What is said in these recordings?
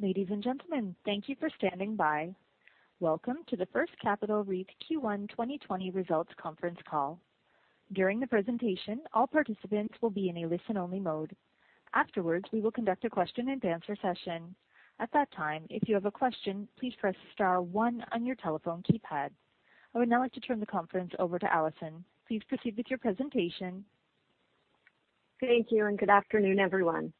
Ladies and gentlemen, thank you for standing by. Welcome to the First Capital REIT Q1 2020 Results Conference Call. During the presentation, all participants will be in a listen-only mode. Afterwards, we will conduct a question-and-answer session. At that time, if you have a question, please press star one on your telephone keypad. I would now like to turn the conference over to Alison. Please proceed with your presentation. Thank you, and good afternoon, everyone.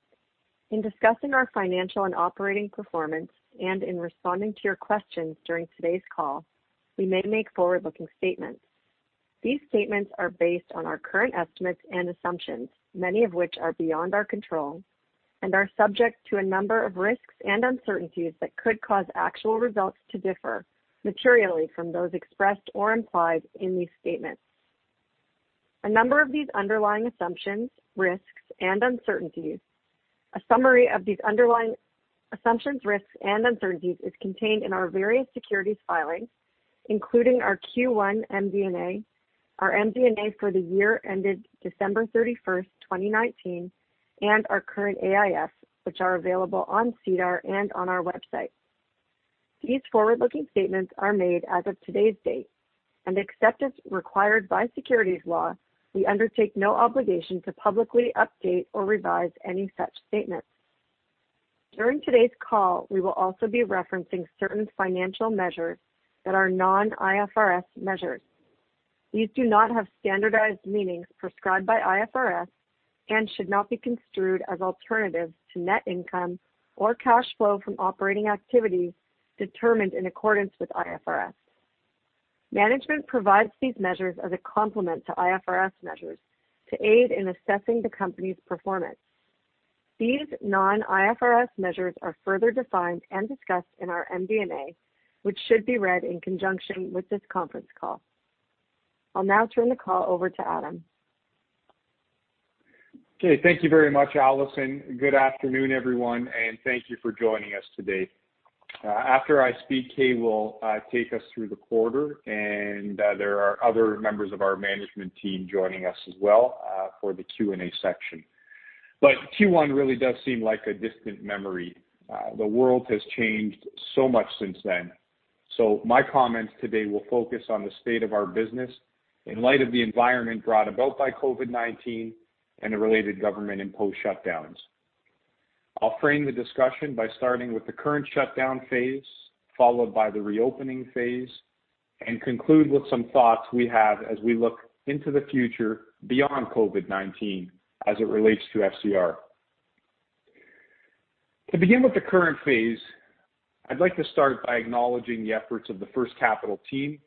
In discussing our financial and operating performance, and in responding to your questions during today's call, we may make forward-looking statements. These statements are based on our current estimates and assumptions, many of which are beyond our control, and are subject to a number of risks and uncertainties that could cause actual results to differ materially from those expressed or implied in these statements. A summary of these underlying assumptions, risks, and uncertainties is contained in our various securities filings, including our Q1 MD&A, our MD&A for the year ended December 31st, 2019, and our current AIF, which are available on SEDAR and on our website. Except as required by securities law, we undertake no obligation to publicly update or revise any such statements. During today's call, we will also be referencing certain financial measures that are non-IFRS measures. These do not have standardized meanings prescribed by IFRS and should not be construed as alternatives to net income or cash flow from operating activities determined in accordance with IFRS. Management provides these measures as a complement to IFRS measures to aid in assessing the company's performance. These non-IFRS measures are further defined and discussed in our MD&A, which should be read in conjunction with this conference call. I'll now turn the call over to Adam. Okay. Thank you very much, Alison. Good afternoon, everyone, thank you for joining us today. After I speak, Kay will take us through the quarter, there are other members of our management team joining us as well for the Q&A section. Q1 really does seem like a distant memory. The world has changed so much since then. My comments today will focus on the state of our business in light of the environment brought about by COVID-19 and the related government-imposed shutdowns. I'll frame the discussion by starting with the current shutdown phase, followed by the reopening phase, conclude with some thoughts we have as we look into the future beyond COVID-19 as it relates to FCR. To begin with the current phase, I'd like to start by acknowledging the efforts of the First Capital team,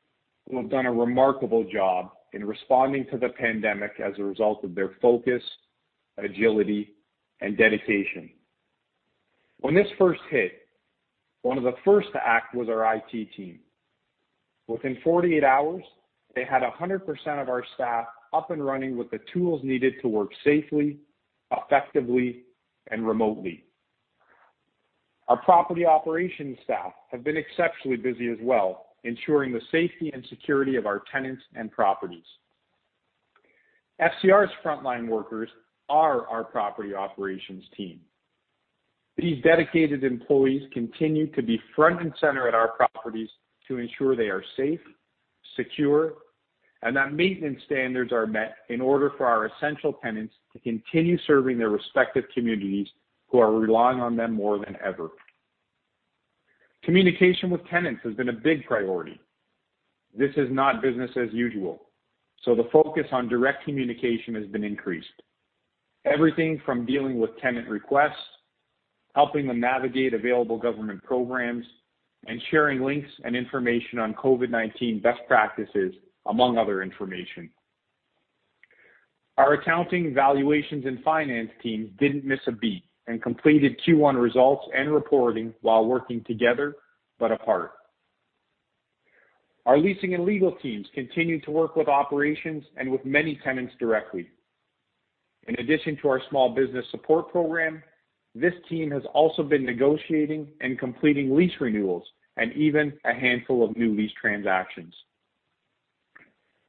who have done a remarkable job in responding to the pandemic as a result of their focus, agility, and dedication. When this first hit, one of the first to act was our IT team. Within 48 hours, they had 100% of our staff up and running with the tools needed to work safely, effectively, and remotely. Our property operations staff have been exceptionally busy as well, ensuring the safety and security of our tenants and properties. FCR's frontline workers are our property operations team. These dedicated employees continue to be front and center at our properties to ensure they are safe, secure, and that maintenance standards are met in order for our essential tenants to continue serving their respective communities who are relying on them more than ever. Communication with tenants has been a big priority. This is not business as usual. The focus on direct communication has been increased. Everything from dealing with tenant requests, helping them navigate available government programs, and sharing links and information on COVID-19 best practices, among other information. Our accounting, valuations, and finance teams didn't miss a beat and completed Q1 results and reporting while working together, but apart. Our leasing and legal teams continue to work with operations and with many tenants directly. In addition to our small business support program, this team has also been negotiating and completing lease renewals and even a handful of new lease transactions.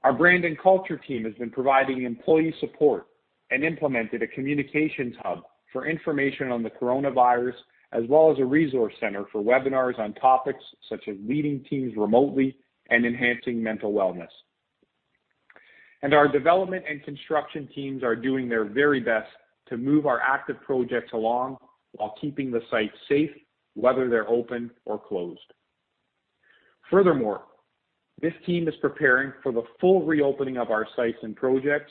Our brand and culture team has been providing employee support and implemented a communications hub for information on the coronavirus, as well as a resource center for webinars on topics such as leading teams remotely and enhancing mental wellness. Our development and construction teams are doing their very best to move our active projects along while keeping the site safe, whether they're open or closed. Furthermore, this team is preparing for the full reopening of our sites and projects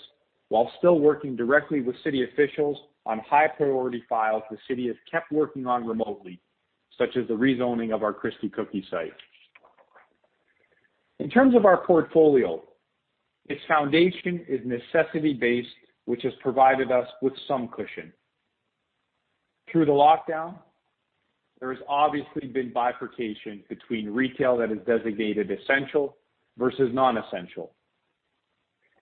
while still working directly with city officials on high-priority files the city has kept working on remotely, such as the rezoning of our Christie Cookie site. In terms of our portfolio, its foundation is necessity-based, which has provided us with some cushion. Through the lockdown, there has obviously been bifurcation between retail that is designated essential versus non-essential.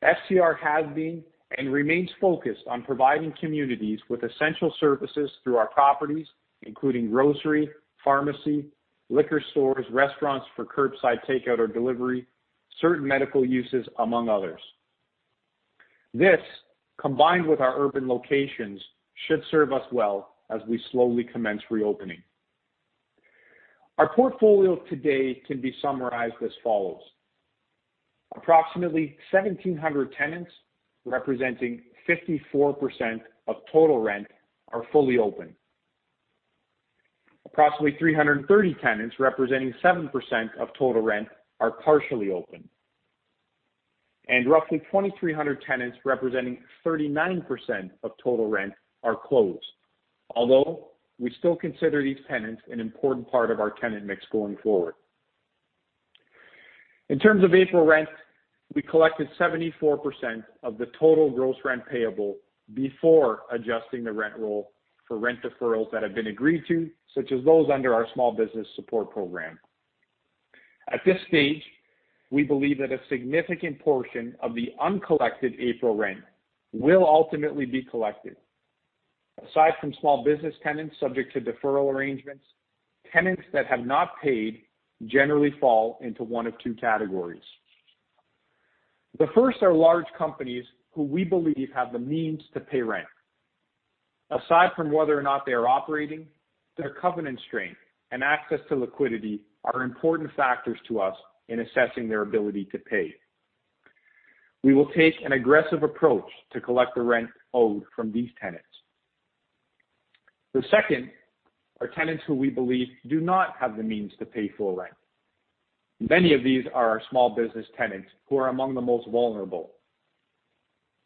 FCR has been, and remains focused on providing communities with essential services through our properties, including grocery, pharmacy, liquor stores, restaurants for curbside takeout or delivery, certain medical uses, among others. This, combined with our urban locations, should serve us well as we slowly commence reopening. Our portfolio today can be summarized as follows. Approximately 1,700 tenants, representing 54% of total rent, are fully open. Approximately 330 tenants, representing 7% of total rent, are partially open. Roughly 2,300 tenants representing 39% of total rent are closed. Although, we still consider these tenants an important part of our tenant mix going forward. In terms of April rent, we collected 74% of the total gross rent payable before adjusting the rent roll for rent deferrals that have been agreed to, such as those under our small business support program. At this stage, we believe that a significant portion of the uncollected April rent will ultimately be collected. Aside from small business tenants subject to deferral arrangements, tenants that have not paid generally fall into one of two categories. The first are large companies who we believe have the means to pay rent. Aside from whether or not they are operating, their covenant strength and access to liquidity are important factors to us in assessing their ability to pay. We will take an aggressive approach to collect the rent owed from these tenants. The second are tenants who we believe do not have the means to pay full rent. Many of these are our small business tenants who are among the most vulnerable.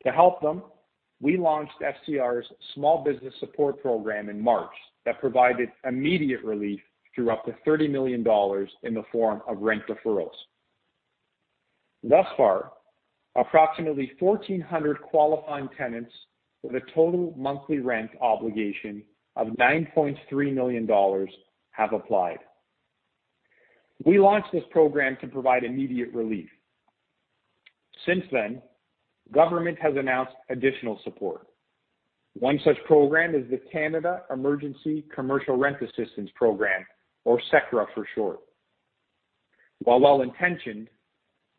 To help them, we launched FCR's small business support program in March that provided immediate relief through up to 30 million dollars in the form of rent deferrals. Thus far, approximately 1,400 qualifying tenants with a total monthly rent obligation of 9.3 million dollars have applied. We launched this program to provide immediate relief. Since then, government has announced additional support. One such program is the Canada Emergency Commercial Rent Assistance Program, or CECRA for short. While well-intentioned,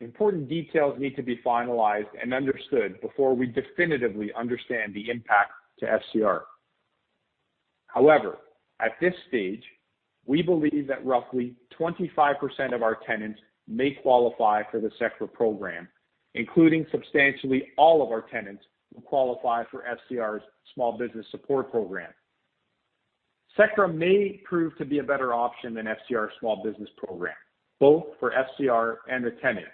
important details need to be finalized and understood before we definitively understand the impact to FCR. At this stage, we believe that roughly 25% of our tenants may qualify for the CECRA program, including substantially all of our tenants who qualify for FCR's small business support program. CECRA may prove to be a better option than FCR small business program, both for FCR and the tenant.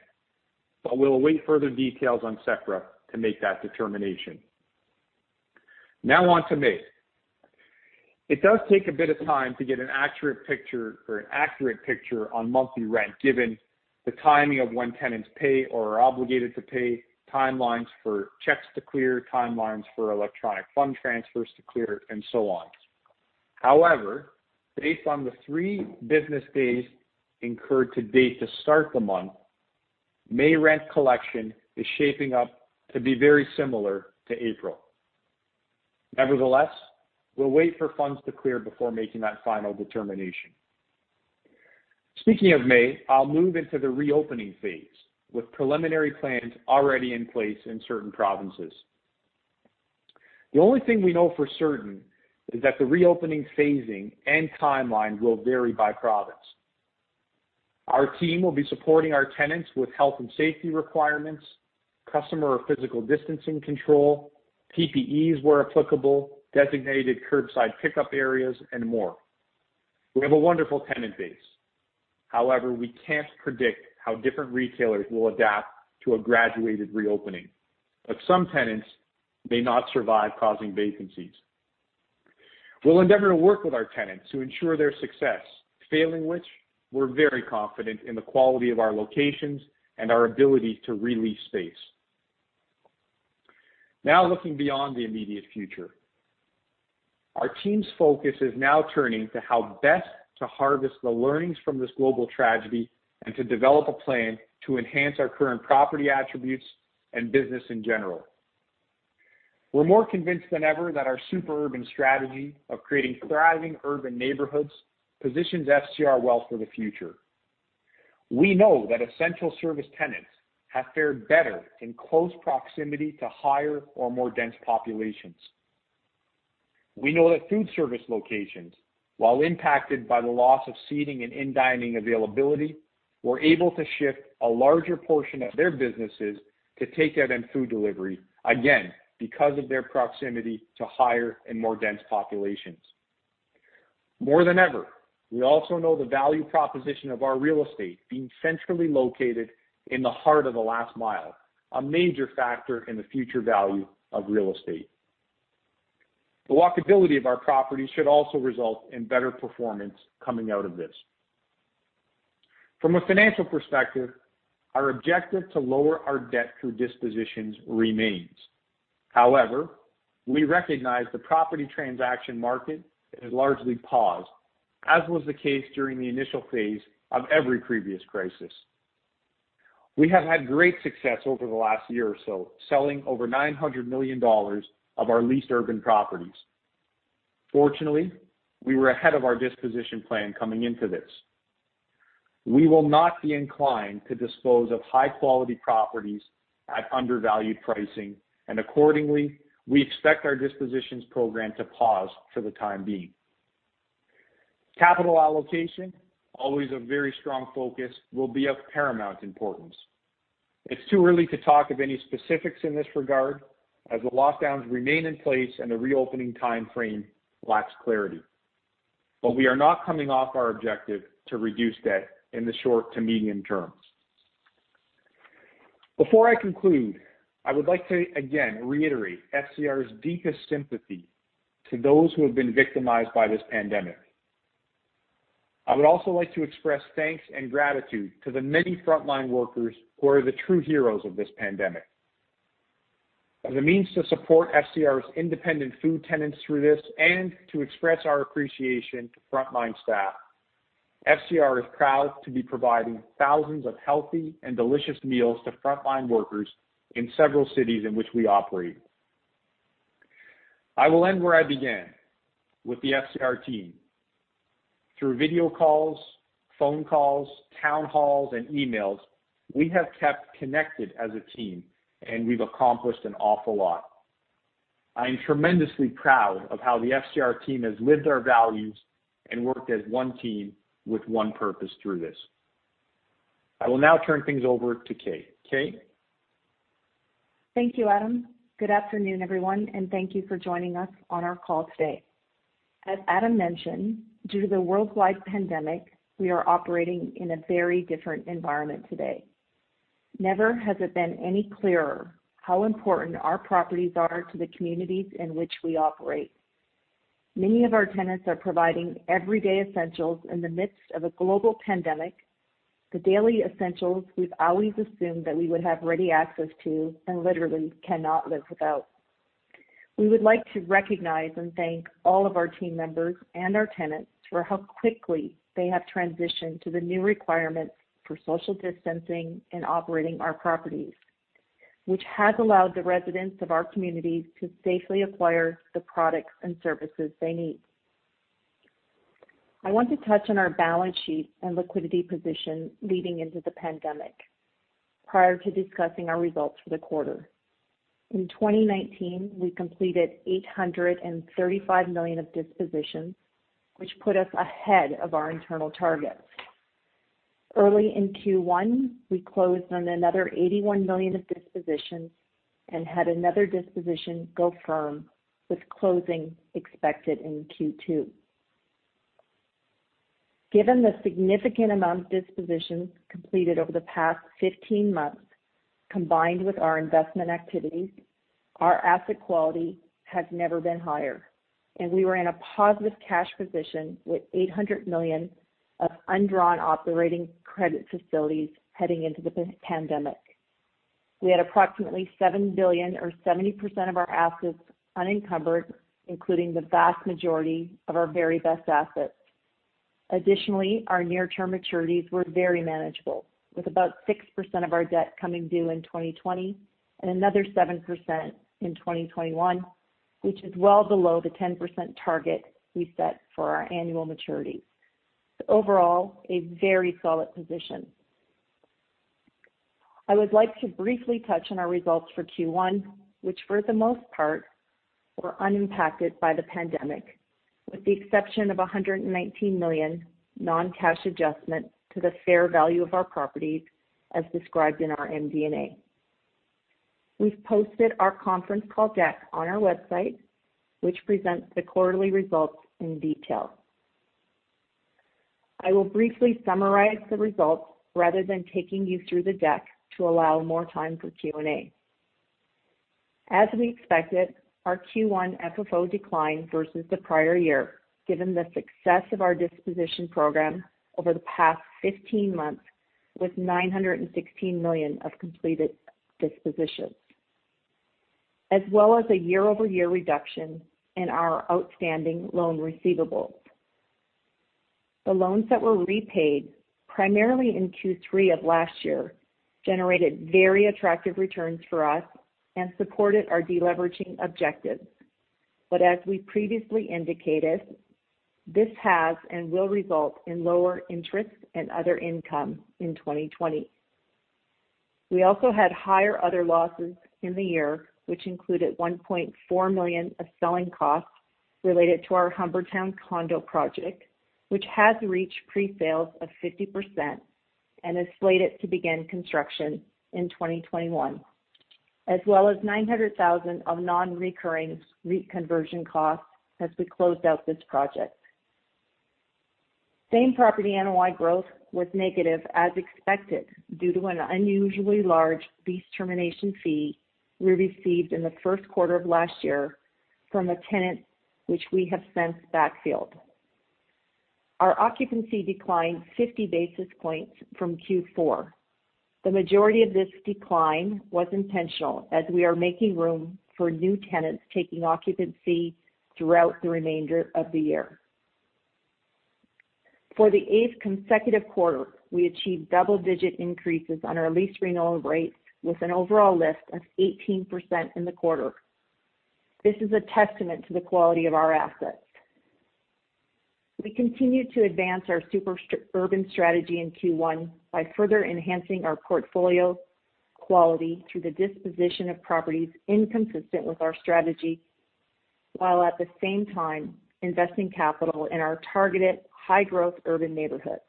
We'll await further details on CECRA to make that determination. On to May. It does take a bit of time to get an accurate picture on monthly rent given the timing of when tenants pay or are obligated to pay, timelines for checks to clear, timelines for electronic fund transfers to clear, and so on. Based on the three business days incurred to date to start the month, May rent collection is shaping up to be very similar to April. We'll wait for funds to clear before making that final determination. Speaking of May, I'll move into the reopening phase with preliminary plans already in place in certain provinces. The only thing we know for certain is that the reopening phasing and timeline will vary by province. Our team will be supporting our tenants with health and safety requirements, customer or physical distancing control, PPEs where applicable, designated curbside pickup areas, and more. We have a wonderful tenant base. We can't predict how different retailers will adapt to a graduated reopening, but some tenants may not survive, causing vacancies. We'll endeavor to work with our tenants to ensure their success. Failing which, we're very confident in the quality of our locations and our ability to re-lease space. Looking beyond the immediate future. Our team's focus is now turning to how best to harvest the learnings from this global tragedy and to develop a plan to enhance our current property attributes and business in general. We're more convinced than ever that our super urban strategy of creating thriving urban neighborhoods positions FCR well for the future. We know that essential service tenants have fared better in close proximity to higher or more dense populations. We know that food service locations, while impacted by the loss of seating and in-dining availability, were able to shift a larger portion of their businesses to take out and food delivery, again, because of their proximity to higher and more dense populations. More than ever, we also know the value proposition of our real estate being centrally located in the heart of the last mile, a major factor in the future value of real estate. The walkability of our properties should also result in better performance coming out of this. From a financial perspective, our objective to lower our debt through dispositions remains. We recognize the property transaction market is largely paused, as was the case during the initial phase of every previous crisis. We have had great success over the last year or so, selling over 900 million dollars of our leased urban properties. Fortunately, we were ahead of our disposition plan coming into this. We will not be inclined to dispose of high-quality properties at undervalued pricing, and accordingly, we expect our dispositions program to pause for the time being. Capital allocation, always a very strong focus, will be of paramount importance. It's too early to talk of any specifics in this regard, as the lockdowns remain in place and the reopening timeframe lacks clarity. We are not coming off our objective to reduce debt in the short to medium term. Before I conclude, I would like to again reiterate FCR's deepest sympathy to those who have been victimized by this pandemic. I would also like to express thanks and gratitude to the many frontline workers who are the true heroes of this pandemic. As a means to support FCR's independent food tenants through this, and to express our appreciation to frontline staff, FCR is proud to be providing thousands of healthy and delicious meals to frontline workers in several cities in which we operate. I will end where I began, with the FCR team. Through video calls, phone calls, town halls, and emails, we have kept connected as a team, and we've accomplished an awful lot. I am tremendously proud of how the FCR team has lived our values and worked as one team with one purpose through this. I will now turn things over to Kay. Kay? Thank you, Adam. Good afternoon, everyone, thank you for joining us on our call today. As Adam mentioned, due to the worldwide pandemic, we are operating in a very different environment today. Never has it been any clearer how important our properties are to the communities in which we operate. Many of our tenants are providing everyday essentials in the midst of a global pandemic, the daily essentials we've always assumed that we would have ready access to and literally cannot live without. We would like to recognize and thank all of our team members and our tenants for how quickly they have transitioned to the new requirements for social distancing and operating our properties, which has allowed the residents of our communities to safely acquire the products and services they need. I want to touch on our balance sheet and liquidity position leading into the pandemic prior to discussing our results for the quarter. In 2019, we completed 835 million of dispositions, which put us ahead of our internal targets. Early in Q1, we closed on another 81 million of dispositions and had another disposition go firm with closing expected in Q2. Given the significant amount of dispositions completed over the past 15 months, combined with our investment activities, our asset quality has never been higher, and we were in a positive cash position with 800 million of undrawn operating credit facilities heading into the pandemic. We had approximately 7 billion or 70% of our assets unencumbered, including the vast majority of our very best assets. Additionally, our near-term maturities were very manageable, with about 6% of our debt coming due in 2020 and another 7% in 2021, which is well below the 10% target we set for our annual maturities. Overall, a very solid position. I would like to briefly touch on our results for Q1, which for the most part were unimpacted by the pandemic, with the exception of 119 million non-cash adjustment to the fair value of our properties as described in our MD&A. We've posted our conference call deck on our website, which presents the quarterly results in detail. I will briefly summarize the results rather than taking you through the deck to allow more time for Q&A. As we expected, our Q1 FFO declined versus the prior year, given the success of our disposition program over the past 15 months with 916 million of completed dispositions. A year-over-year reduction in our outstanding loan receivables. The loans that were repaid, primarily in Q3 of last year, generated very attractive returns for us and supported our deleveraging objectives. As we previously indicated, this has and will result in lower interest and other income in 2020. We also had higher other losses in the year, which included 1.4 million of selling costs related to our Humbertown condo project, which has reached pre-sales of 50% and is slated to begin construction in 2021. 900,000 of non-recurring REIT conversion costs as we closed out this project. Same-property NOI growth was negative as expected due to an unusually large lease termination fee we received in the first quarter of last year from a tenant which we have since backfilled. Our occupancy declined 50 basis points from Q4. The majority of this decline was intentional, as we are making room for new tenants taking occupancy throughout the remainder of the year. For the eighth consecutive quarter, we achieved double-digit increases on our lease renewal rate with an overall lift of 18% in the quarter. This is a testament to the quality of our assets. We continued to advance our super urban strategy in Q1 by further enhancing our portfolio quality through the disposition of properties inconsistent with our strategy, while at the same time investing capital in our targeted high-growth urban neighborhoods.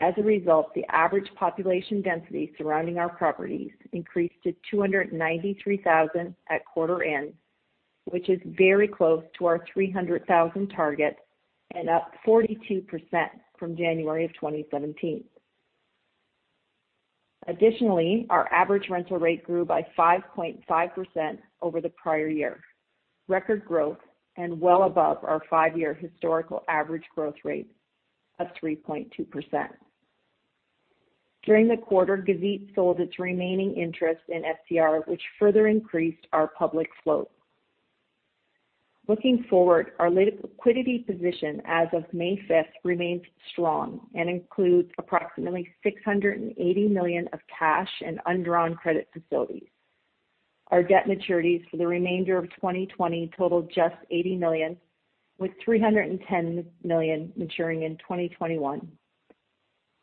As a result, the average population density surrounding our properties increased to 293,000 at quarter end, which is very close to our 300,000 target and up 42% from January of 2017. Additionally, our average rental rate grew by 5.5% over the prior year, record growth and well above our five-year historical average growth rate of 3.2%. During the quarter, Gazit sold its remaining interest in FCR, which further increased our public float. Looking forward, our liquidity position as of May 5th remains strong and includes approximately 680 million of cash and undrawn credit facilities. Our debt maturities for the remainder of 2020 total just 80 million, with 310 million maturing in 2021,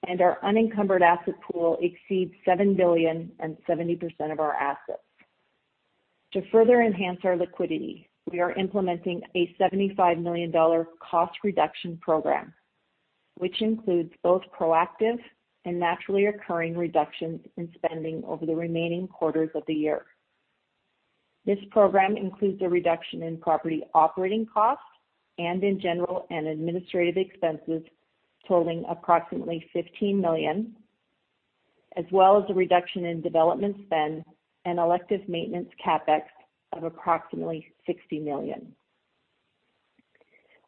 and our unencumbered asset pool exceeds 7 billion and 70% of our assets. To further enhance our liquidity, we are implementing a 75 million dollar cost reduction program, which includes both proactive and naturally occurring reductions in spending over the remaining quarters of the year. This program includes a reduction in property operating costs and in general and administrative expenses totaling approximately 15 million, as well as a reduction in development spend and elective maintenance CapEx of approximately 60 million.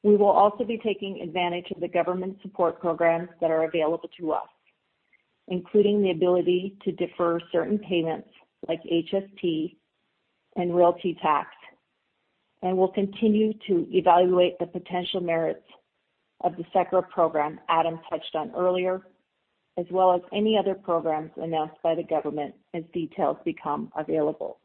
We will also be taking advantage of the government support programs that are available to us, including the ability to defer certain payments like HST and realty tax. We'll continue to evaluate the potential merits of the CECRA program Adam touched on earlier, as well as any other programs announced by the government as details become available.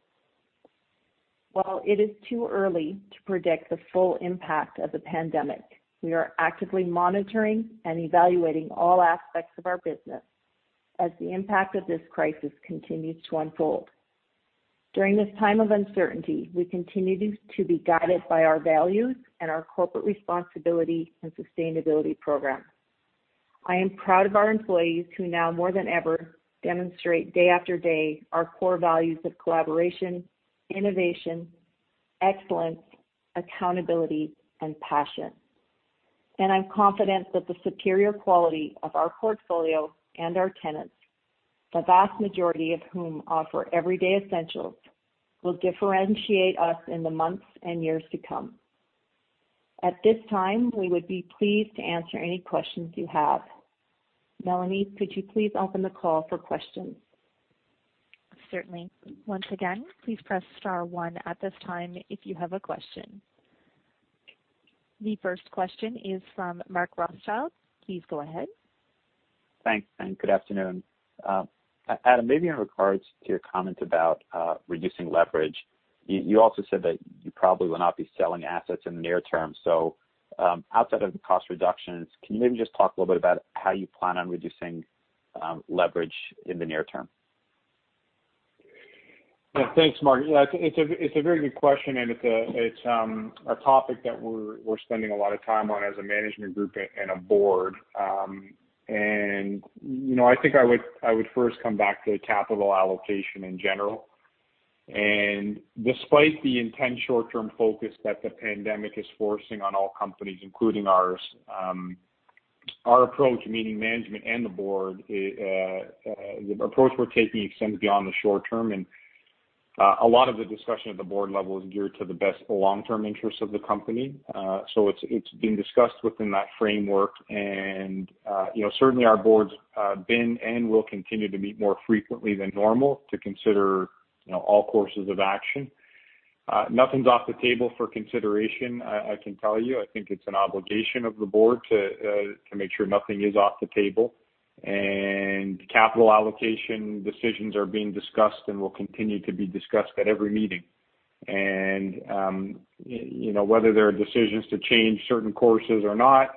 While it is too early to predict the full impact of the pandemic, we are actively monitoring and evaluating all aspects of our business as the impact of this crisis continues to unfold. During this time of uncertainty, we continue to be guided by our values and our corporate responsibility and sustainability program. I am proud of our employees who now more than ever demonstrate day after day our core values of collaboration, innovation, excellence, accountability, and passion. I'm confident that the superior quality of our portfolio and our tenants, the vast majority of whom offer everyday essentials, will differentiate us in the months and years to come. At this time, we would be pleased to answer any questions you have. Melanie, could you please open the call for questions? Certainly. Once again, please press star one at this time if you have a question. The first question is from Mark Rothschild. Please go ahead. Thanks, and good afternoon. Adam, maybe in regards to your comment about reducing leverage, you also said that you probably will not be selling assets in the near term. Outside of the cost reductions, can you maybe just talk a little bit about how you plan on reducing leverage in the near term? Yeah. Thanks, Mark. It's a very good question. It's a topic that we're spending a lot of time on as a management group and a board. I think I would first come back to capital allocation in general. Despite the intense short-term focus that the pandemic is forcing on all companies, including ours, our approach, meaning management and the board, the approach we're taking extends beyond the short term. A lot of the discussion at the board level is geared to the best long-term interests of the company. It's being discussed within that framework. Certainly our board's been, and will continue to meet more frequently than normal to consider all courses of action. Nothing's off the table for consideration, I can tell you. I think it's an obligation of the board to make sure nothing is off the table, and capital allocation decisions are being discussed and will continue to be discussed at every meeting. Whether there are decisions to change certain courses or not,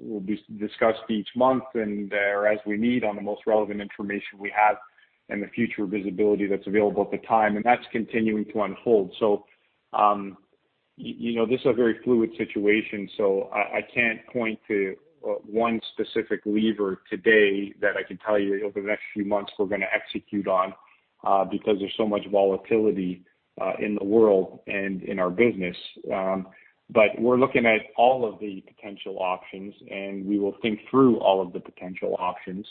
will be discussed each month and/or as we meet on the most relevant information we have and the future visibility that's available at the time, and that's continuing to unfold. This is a very fluid situation, so I can't point to one specific lever today that I can tell you over the next few months we're going to execute on because there's so much volatility in the world and in our business. We're looking at all of the potential options, and we will think through all of the potential options.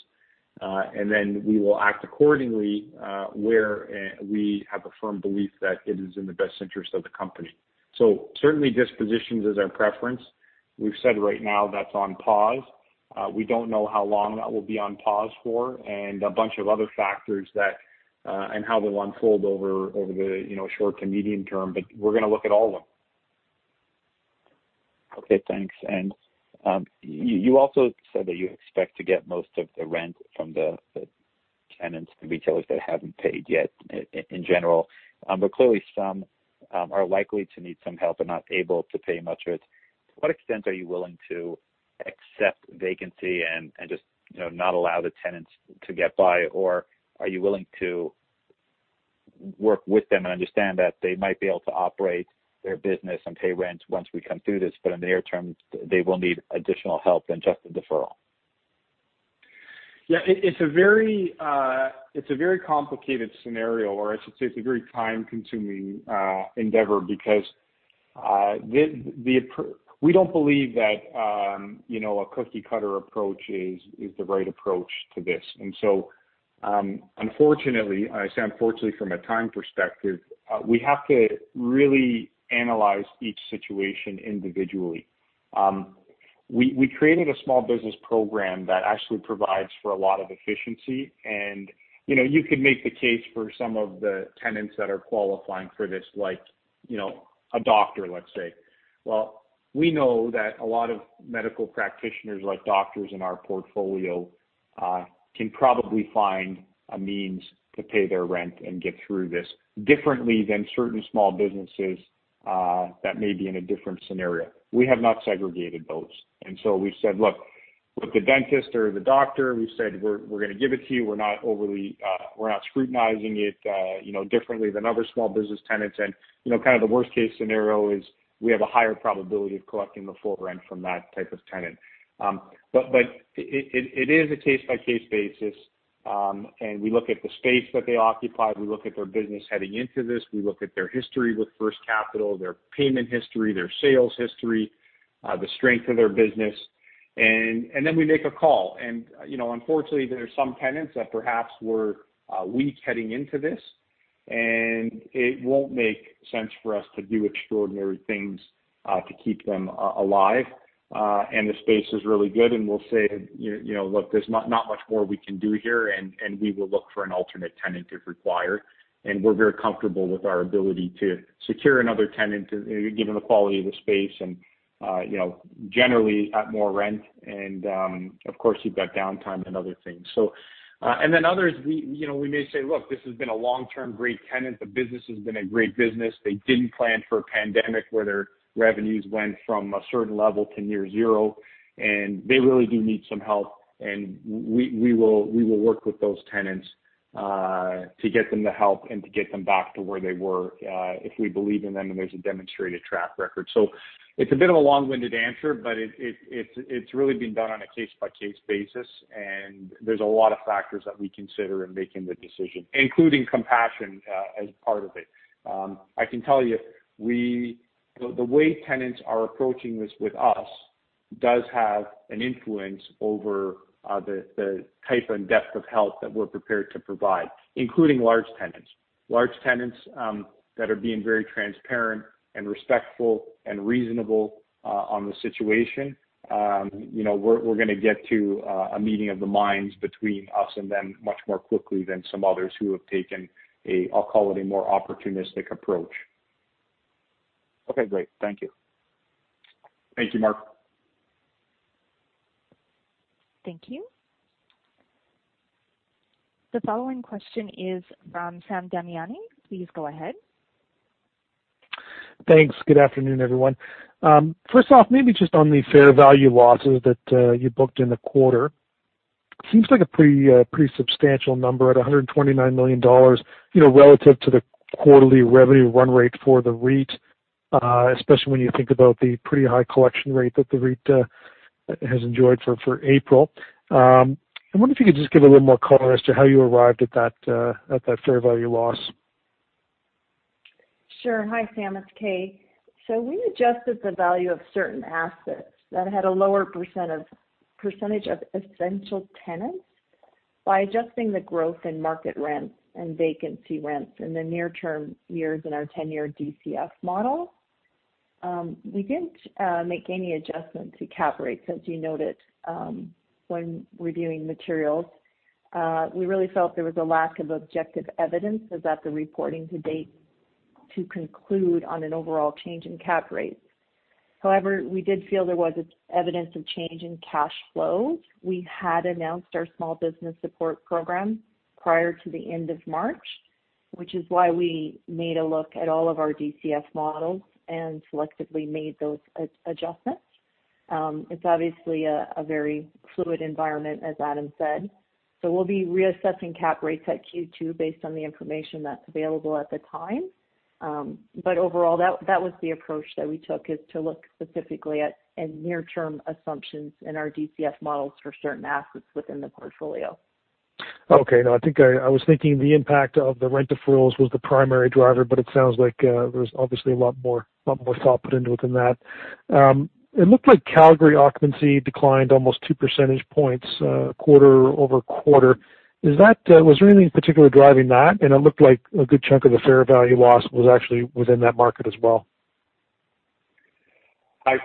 We will act accordingly, where we have a firm belief that it is in the best interest of the company. Certainly dispositions is our preference. We've said right now that's on pause. We don't know how long that will be on pause for and a bunch of other factors and how they'll unfold over the short to medium term, we're going to look at all of them. Okay, thanks. You also said that you expect to get most of the rent from the tenants, the retailers that haven't paid yet, in general. Clearly, some are likely to need some help and not able to pay much rent. To what extent are you willing to accept vacancy and just not allow the tenants to get by? Are you willing to work with them and understand that they might be able to operate their business and pay rent once we come through this, but in the near term, they will need additional help than just the deferral? Yeah. It's a very complicated scenario, or I should say it's a very time-consuming endeavor because we don't believe that a cookie-cutter approach is the right approach to this. Unfortunately, I say unfortunately from a time perspective, we have to really analyze each situation individually. We created a small business program that actually provides for a lot of efficiency, and you could make the case for some of the tenants that are qualifying for this, like a doctor, let's say. Well, we know that a lot of medical practitioners, like doctors in our portfolio, can probably find a means to pay their rent and get through this differently than certain small businesses that may be in a different scenario. We have not segregated those. So we've said, look, with the dentist or the doctor, we said, we're going to give it to you. We're not scrutinizing it differently than other small business tenants. Kind of the worst-case scenario is we have a higher probability of collecting the full rent from that type of tenant. It is a case-by-case basis. We look at the space that they occupy. We look at their business heading into this. We look at their history with First Capital, their payment history, their sales history, the strength of their business. Then we make a call. Unfortunately, there are some tenants that perhaps were weak heading into this, and it won't make sense for us to do extraordinary things, to keep them alive. The space is really good, and we'll say, "Look, there's not much more we can do here," and we will look for an alternate tenant if required. We're very comfortable with our ability to secure another tenant, given the quality of the space and, generally at more rent, and, of course, you've got downtime and other things. Then others, we may say, look, this has been a long-term great tenant. The business has been a great business. They didn't plan for a pandemic where their revenues went from a certain level to near zero. They really do need some help, and we will work with those tenants, to get them the help and to get them back to where they were, if we believe in them, and there's a demonstrated track record. It's a bit of a long-winded answer, but it's really being done on a case-by-case basis, and there's a lot of factors that we consider in making the decision, including compassion as part of it. I can tell you, the way tenants are approaching this with us does have an influence over the type and depth of help that we're prepared to provide, including large tenants that are being very transparent and respectful and reasonable on the situation. We're going to get to a meeting of the minds between us and them much more quickly than some others who have taken a, I'll call it, a more opportunistic approach. Okay, great. Thank you. Thank you, Mark. Thank you. The following question is from Sam Damiani. Please go ahead. Thanks. Good afternoon, everyone. First off, maybe just on the fair value losses that you booked in the quarter. Seems like a pretty substantial number at 129 million dollars, relative to the quarterly revenue run rate for the REIT, especially when you think about the pretty high collection rate that the REIT has enjoyed for April. I wonder if you could just give a little more color as to how you arrived at that fair value loss. Sure. Hi, Sam. It's Kay. We adjusted the value of certain assets that had a lower percentage of essential tenants by adjusting the growth in market rents and vacancy rents in the near-term years in our 10-year DCF model. We didn't make any adjustments to cap rates, as you noted, when reviewing materials. We really felt there was a lack of objective evidence as at the reporting to date to conclude on an overall change in cap rates. However, we did feel there was evidence of change in cash flows. We had announced our small business support program prior to the end of March, which is why we made a look at all of our DCF models and selectively made those adjustments. It's obviously a very fluid environment, as Adam said, we'll be reassessing cap rates at Q2 based on the information that's available at the time. Overall, that was the approach that we took, is to look specifically at near-term assumptions in our DCF models for certain assets within the portfolio. Okay. I was thinking the impact of the rent deferrals was the primary driver, but it sounds like there's obviously a lot more thought put into than that. It looked like Calgary occupancy declined almost two percentage points quarter-over-quarter. Was there anything in particular driving that? It looked like a good chunk of the fair value loss was actually within that market as well. I'll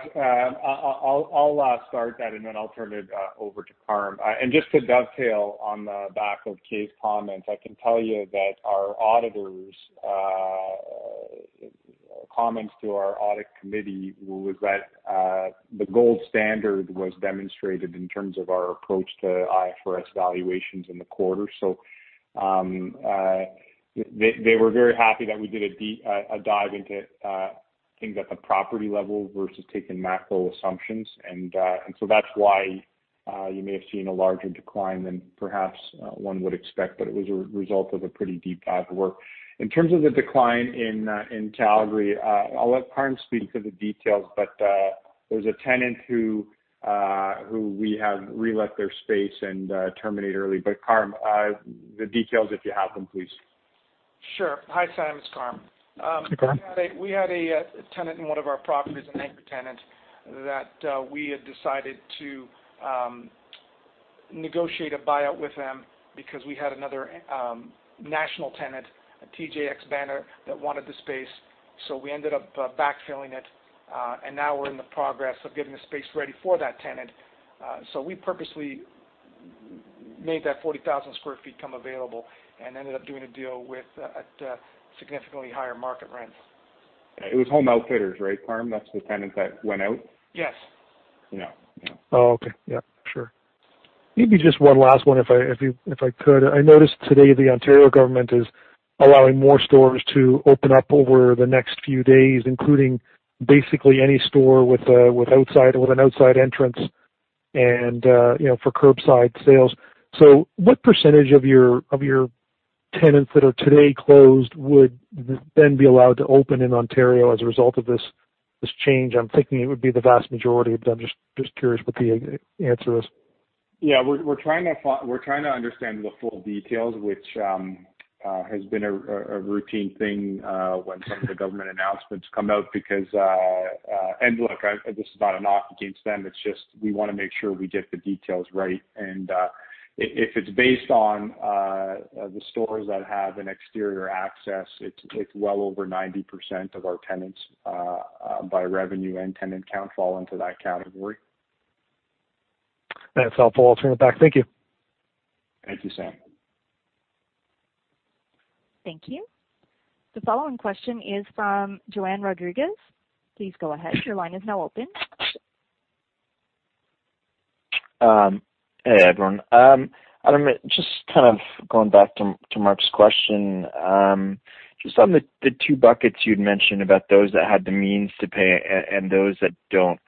start that, and then I'll turn it over to Carm. Just to dovetail on the back of Kay's comments, I can tell you that our auditors-Comments to our audit committee was that the gold standard was demonstrated in terms of our approach to IFRS valuations in the quarter. They were very happy that we did a dive into things at the property level versus taking macro assumptions. That's why you may have seen a larger decline than perhaps one would expect, but it was a result of a pretty deep dive of work. In terms of the decline in Calgary, I'll let Carm speak to the details, but there was a tenant who we have re-let their space and terminate early. Carm, the details if you have them, please. Sure. Hi, Sam. It's Carm. Hi, Carm. We had a tenant in one of our properties, an anchor tenant, that we had decided to negotiate a buyout with them because we had another national tenant, a TJX banner, that wanted the space. We ended up backfilling it, and now we're in the progress of getting the space ready for that tenant. We purposely made that 40,000 square feet become available and ended up doing a deal with at significantly higher market rents. It was Home Outfitters, right, Carm? That's the tenant that went out. Yes. Yeah. Oh, okay. Yeah, sure. Maybe just one last one if I could. I noticed today the Ontario government is allowing more stores to open up over the next few days, including basically any store with an outside entrance and for curbside sales. What % of your tenants that are today closed would then be allowed to open in Ontario as a result of this change? I'm thinking it would be the vast majority, but I'm just curious what the answer is. Yeah, we're trying to understand the full details, which has been a routine thing when some of the government announcements come out because look, this is not a knock against them, it's just we want to make sure we get the details right. If it's based on the stores that have an exterior access, it's well over 90% of our tenants, by revenue and tenant count, fall into that category. That's helpful. I'll turn it back. Thank you. Thank you, Sam. Thank you. The following question is from Johann Rodrigues. Please go ahead. Your line is now open. Hey, everyone. Adam, just kind of going back to Mark's question. Just on the two buckets you'd mentioned about those that had the means to pay and those that don't.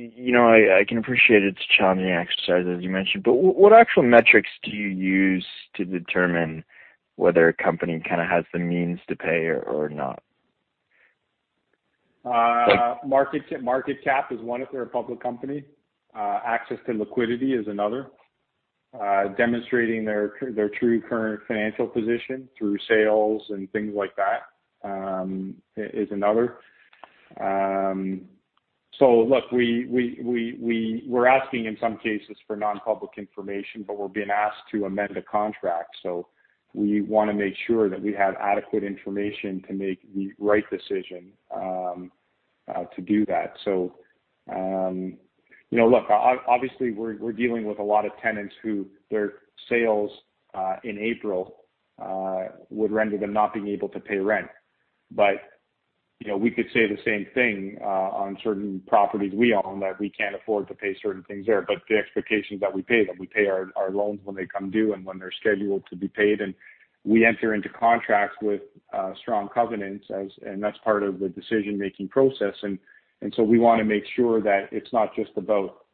I can appreciate it's a challenging exercise, as you mentioned, but what actual metrics do you use to determine whether a company kind of has the means to pay or not? Market cap is one if they're a public company. Access to liquidity is another. Demonstrating their true current financial position through sales and things like that is another. Look, we're asking in some cases for non-public information, but we're being asked to amend a contract, we want to make sure that we have adequate information to make the right decision to do that. Look, obviously, we're dealing with a lot of tenants who their sales, in April, would render them not being able to pay rent. We could say the same thing on certain properties we own that we can't afford to pay certain things there. The expectation is that we pay them, we pay our loans when they come due and when they're scheduled to be paid, and we enter into contracts with strong covenants, and that's part of the decision-making process. We want to make sure that it's not just about,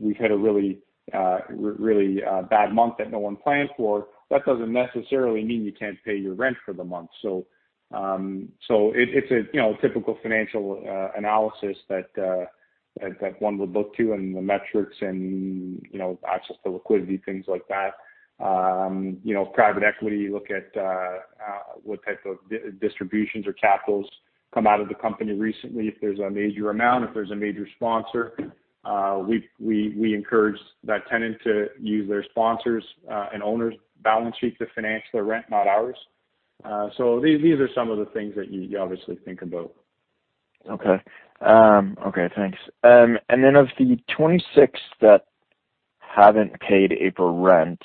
we've had a really bad month that no one planned for. That doesn't necessarily mean you can't pay your rent for the month. It's a typical financial analysis that one would look to and the metrics and access to liquidity, things like that. Private equity, you look at what type of distributions or capitals come out of the company recently. If there's a major amount, if there's a major sponsor, we encourage that tenant to use their sponsors and owners balance sheet to finance their rent, not ours. These are some of the things that you obviously think about. Okay. Thanks. Then of the 26 that haven't paid April rent,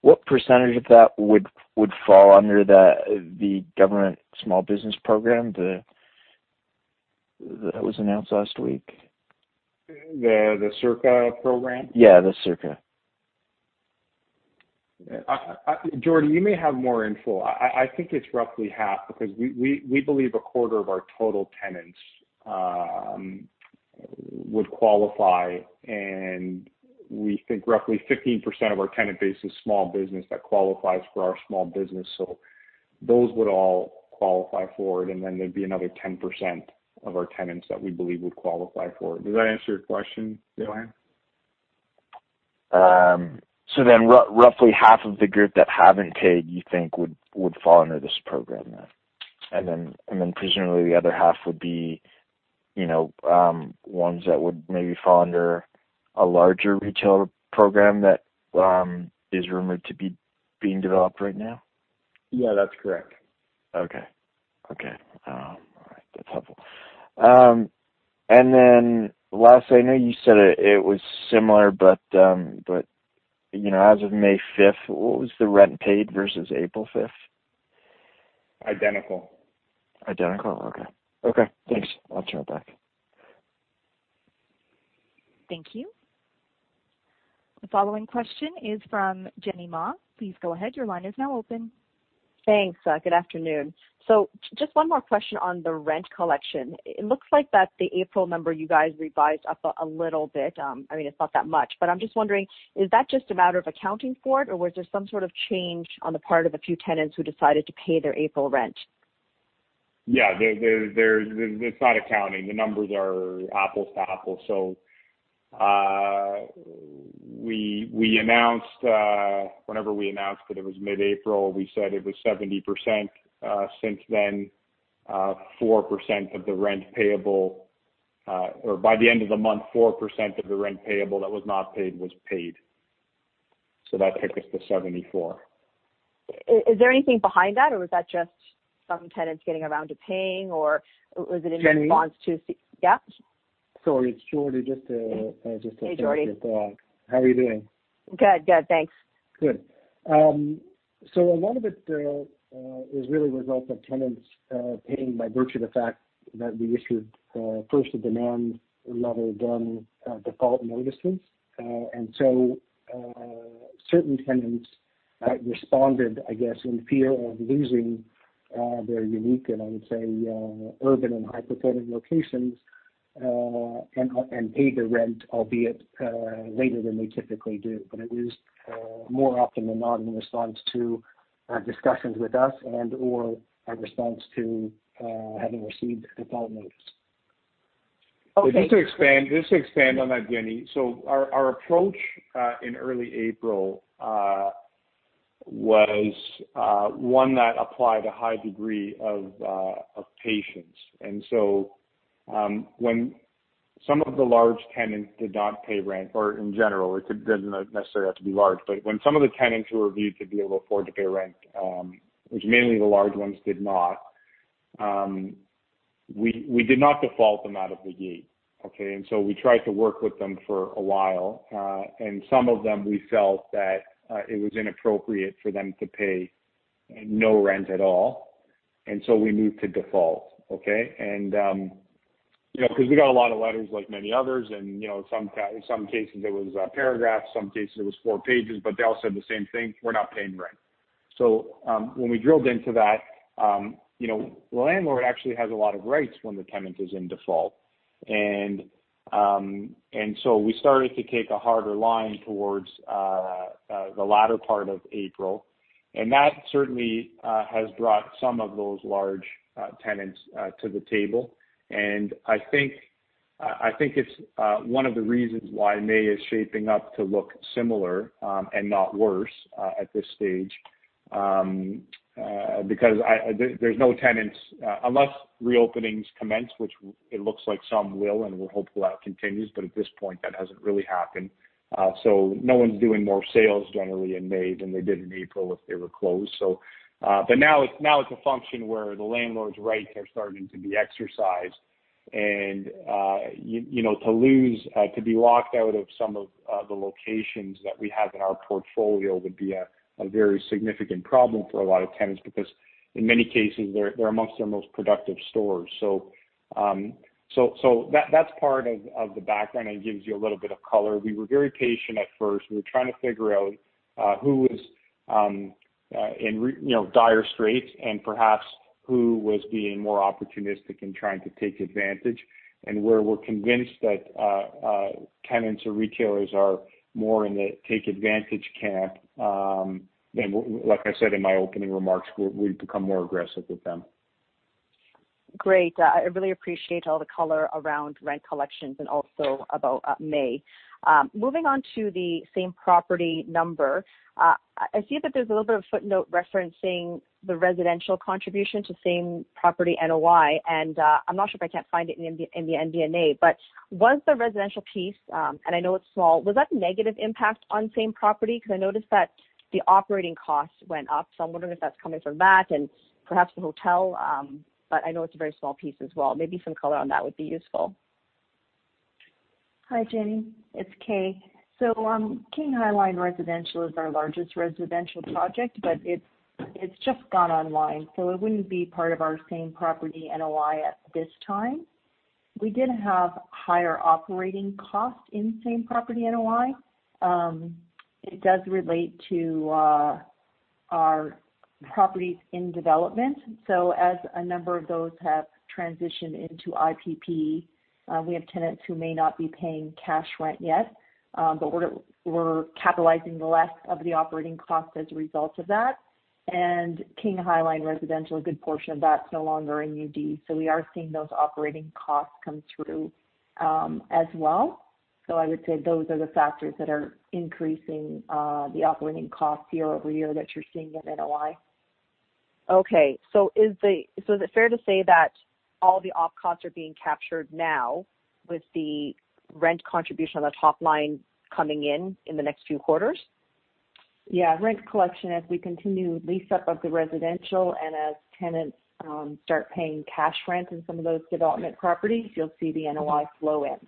what % of that would fall under the government small business program that was announced last week? The CECRA program? Yeah, the CECRA. Johann, you may have more info. I think it's roughly half because we believe a quarter of our total tenants would qualify, and we think roughly 15% of our tenant base is small business that qualifies for our small business. Those would all qualify for it, and then there'd be another 10% of our tenants that we believe would qualify for it. Does that answer your question, Johann? Roughly half of the group that haven’t paid, you think would fall under this program then. Presumably the other half would be ones that would maybe fall under a larger retail program that is rumored to be being developed right now. Yeah, that's correct. Okay. That's helpful. Lastly, I know you said it was similar, but as of May 5th, what was the rent paid versus April 5th? Identical. Identical? Okay. Thanks. I'll turn it back. Thank you. The following question is from Jenny Ma. Please go ahead. Your line is now open. Thanks. Good afternoon. Just one more question on the rent collection. It looks like that the April number, you guys revised up a little bit. I mean, it's not that much, but I'm just wondering, is that just a matter of accounting for it, or was there some sort of change on the part of a few tenants who decided to pay their April rent? Yeah. It's not accounting. The numbers are apples to apples. Whenever we announced that it was mid-April, we said it was 70%. Since then, by the end of the month, 4% of the rent payable that was not paid was paid. That took us to 74. Is there anything behind that, or was that just some tenants getting around to paying, or was it in response to? Jenny? Yeah? Sorry, it's Geordie. Just to finish your thought. Hey, Geordie. How are you doing? Good. Thanks. Good. A lot of it is really a result of tenants paying by virtue of the fact that we issued first a demand letter, then default notices. Certain tenants responded, I guess, in fear of losing their unique, and I would say, urban and high-footfall locations, and paid the rent, albeit later than they typically do. It is more often than not in response to discussions with us and, or a response to having received a default notice. Okay. Just to expand on that, Jenny. Our approach, in early April, was one that applied a high degree of patience. When some of the large tenants did not pay rent, or in general, it doesn't necessarily have to be large. When some of the tenants who were viewed to be able to afford to pay rent, which mainly the large ones did not, we did not default them out of the gate. Okay. We tried to work with them for a while. Some of them, we felt that it was inappropriate for them to pay no rent at all. We moved to default. Okay. Because we got a lot of letters, like many others, and in some cases, it was a paragraph, some cases it was four pages, but they all said the same thing, "We're not paying rent." When we drilled into that, the landlord actually has a lot of rights when the tenant is in default. We started to take a harder line towards the latter part of April. I think it's one of the reasons why May is shaping up to look similar, and not worse at this stage. There's no tenants, unless reopenings commence, which it looks like some will, and we're hopeful that continues, but at this point, that hasn't really happened. No one's doing more sales generally in May than they did in April if they were closed. Now it's a function where the landlord's rights are starting to be exercised. To be locked out of some of the locations that we have in our portfolio would be a very significant problem for a lot of tenants, because in many cases, they're amongst their most productive stores. That's part of the background and gives you a little bit of color. We were very patient at first. We were trying to figure out who was in dire straits and perhaps who was being more opportunistic and trying to take advantage. Where we're convinced that tenants or retailers are more in the take advantage camp, then, like I said in my opening remarks, we've become more aggressive with them. Great. I really appreciate all the color around rent collections and also about May. Moving on to the same-property number. I see that there's a little bit of footnote referencing the residential contribution to same-property NOI, and I'm not sure if I can find it in the MD&A. Was the residential piece, and I know it's small, was that negative impact on same property? I noticed that the operating costs went up. I'm wondering if that's coming from that and perhaps the hotel. I know it's a very small piece as well. Maybe some color on that would be useful. Hi, Jenny. It's Kay. King High Line Residential is our largest residential project, but it's just gone online, so it wouldn't be part of our same-property NOI at this time. We did have higher operating costs in same-property NOI. It does relate to our properties in development. As a number of those have transitioned into IPP, we have tenants who may not be paying cash rent yet. We're capitalizing the less of the operating cost as a result of that. King High Line Residential, a good portion of that's no longer in UD. We are seeing those operating costs come through as well. I would say those are the factors that are increasing the operating costs year-over-year that you're seeing in NOI. Okay. Is it fair to say that all the op costs are being captured now with the rent contribution on the top line coming in in the next few quarters? Rent collection as we continue lease-up of the residential and as tenants start paying cash rent in some of those development properties, you'll see the NOI flow in.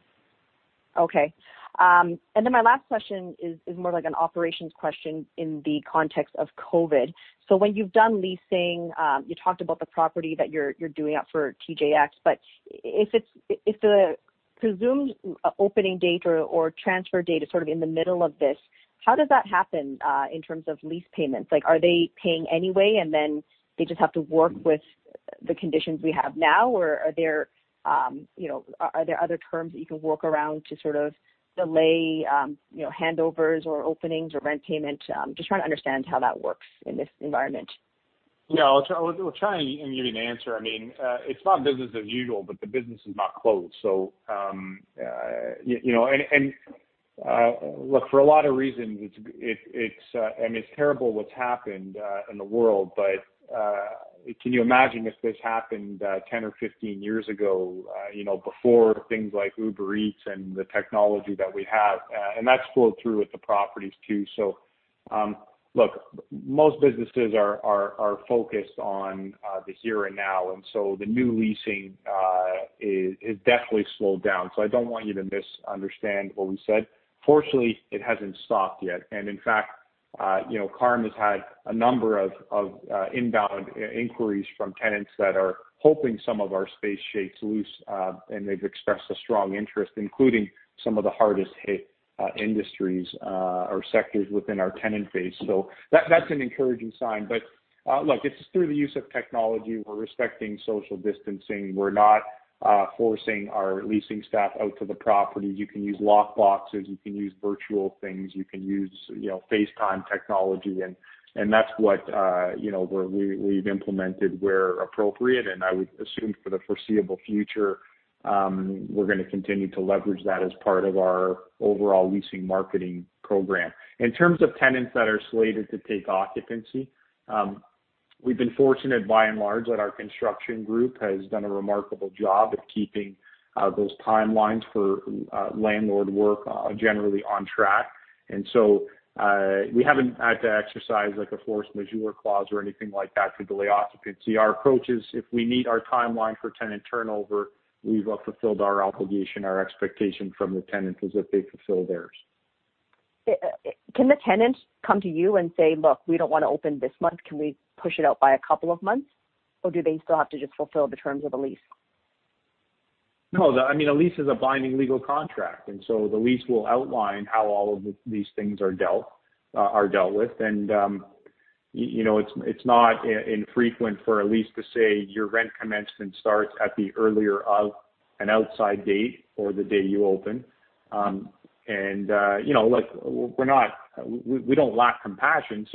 Okay. My last question is more like an operations question in the context of COVID. When you've done leasing, you talked about the property that you're doing out for TJX, but if the presumed opening date or transfer date is sort of in the middle of this, how does that happen in terms of lease payments? Are they paying anyway, and then they just have to work with the conditions we have now, or are there other terms that you can work around to sort of delay handovers or openings or rent payment? Just trying to understand how that works in this environment. No, I'll try and give you an answer. It's not business as usual, but the business is not closed. For a lot of reasons, it's terrible what's happened in the world. Can you imagine if this happened 10 or 15 years ago before things like Uber Eats and the technology that we have? That's flowed through with the properties. Most businesses are focused on the here and now, the new leasing is definitely slowed down. I don't want you to misunderstand what we said. Fortunately, it hasn't stopped yet, and in fact, Carm has had a number of inbound inquiries from tenants that are hoping some of our space shakes loose, and they've expressed a strong interest, including some of the hardest hit industries or sectors within our tenant base. That's an encouraging sign. Look, it's through the use of technology. We're respecting social distancing. We're not forcing our leasing staff out to the property. You can use lock boxes. You can use virtual things. You can use FaceTime technology, and that's what we've implemented where appropriate, and I would assume for the foreseeable future, we're going to continue to leverage that as part of our overall leasing marketing program. In terms of tenants that are slated to take occupancy, we've been fortunate by and large that our construction group has done a remarkable job of keeping those timelines for landlord work generally on track. We haven't had to exercise a force majeure clause or anything like that to delay occupancy. Our approach is if we meet our timeline for tenant turnover, we've fulfilled our obligation. Our expectation from the tenants is that they fulfill theirs. Can the tenants come to you and say, "Look, we don't want to open this month. Can we push it out by a couple of months?" Or do they still have to just fulfill the terms of the lease? No. A lease is a binding legal contract, the lease will outline how all of these things are dealt with. It's not infrequent for a lease to say your rent commencement starts at the earlier of an outside date or the day you open. We don't lack compassion.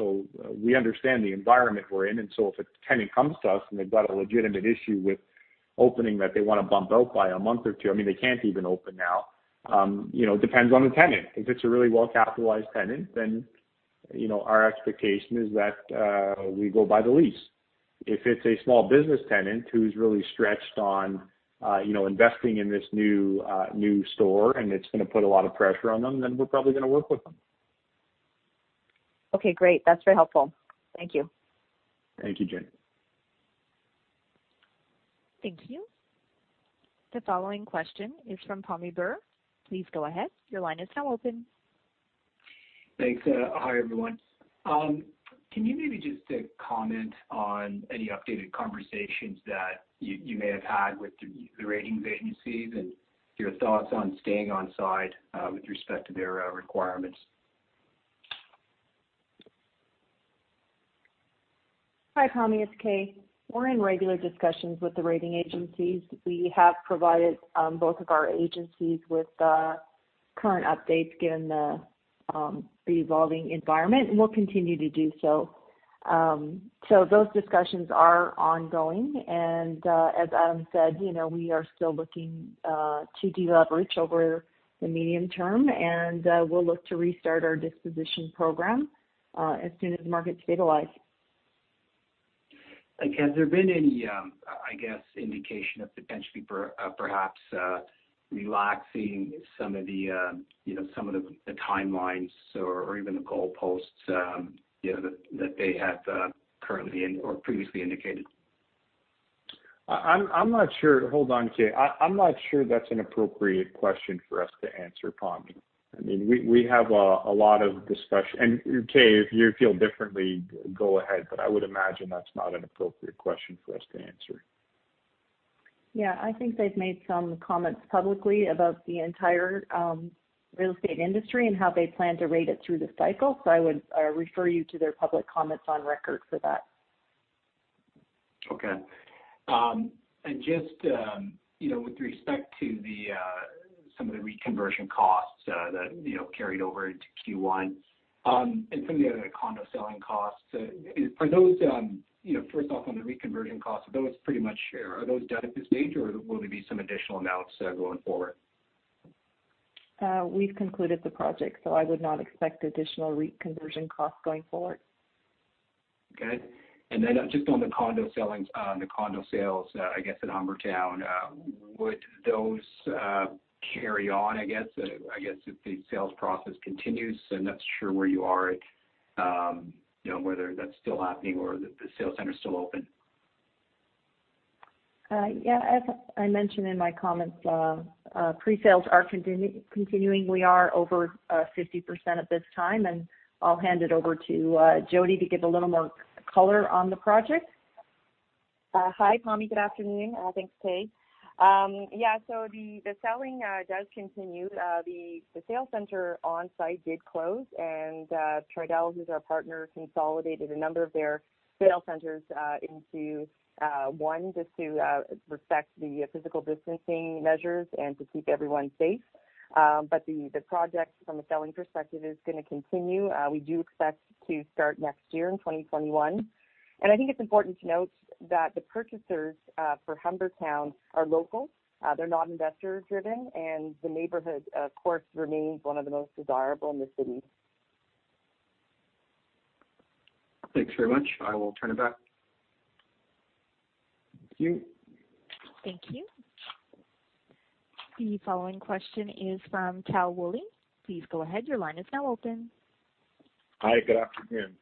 We understand the environment we're in. If a tenant comes to us and they've got a legitimate issue with opening that they want to bump out by a month or two, they can't even open now. It depends on the tenant. If it's a really well-capitalized tenant, then our expectation is that we go by the lease. If it's a small business tenant who's really stretched on investing in this new store, and it's going to put a lot of pressure on them, then we're probably going to work with them. Okay, great. That's very helpful. Thank you. Thank you, Jenny. Thank you. The following question is from Pammi Bir. Please go ahead. Your line is now open. Thanks. Hi, everyone. Can you maybe just comment on any updated conversations that you may have had with the ratings agencies and your thoughts on staying on side with respect to their requirements? Hi, Pammi, it's Kay. We're in regular discussions with the rating agencies. We have provided both of our agencies with current updates given the evolving environment, and we'll continue to do so. Those discussions are ongoing. As Adam said, we are still looking to deleverage over the medium term, and we'll look to restart our disposition program as soon as the market stabilizes. Has there been any, I guess, indication of potentially perhaps relaxing some of the timelines or even the goalposts that they had currently or previously indicated? Hold on, Kay. I'm not sure that's an appropriate question for us to answer, Pammi. We have a lot of discussion. Kay, if you feel differently, go ahead. I would imagine that's not an appropriate question for us to answer. Yeah. I think they've made some comments publicly about the entire real estate industry and how they plan to rate it through the cycle. I would refer you to their public comments on record for that. Okay. Just with respect to some of the reconversion costs that carried over into Q1 and some of the other condo selling costs, first off, on the reconversion costs, are those done at this stage, or will there be some additional amounts going forward? We've concluded the project, so I would not expect additional reconversion costs going forward. Okay. Just on the condo sales, I guess at Humbertown, would those carry on, I guess, if the sales process continues? I am not sure where you are, whether that is still happening or if the sales center is still open. Yeah. As I mentioned in my comments, pre-sales are continuing. We are over 50% at this time. I'll hand it over to Jodi to give a little more color on the project. Hi, Pammi. Good afternoon. Thanks, Paige. Yeah. The selling does continue. The sales center on site did close, and Tridel, who's our partner, consolidated a number of their sales centers into one, just to respect the physical distancing measures and to keep everyone safe. The project, from a selling perspective, is going to continue. We do expect to start next year in 2021. I think it's important to note that the purchasers for Humbertown are local. They're not investor-driven. The neighborhood, of course, remains one of the most desirable in the city. Thanks very much. I will turn it back to you. Thank you. The following question is from Tal Woolley. Please go ahead. Your line is now open. Hi. Good afternoon.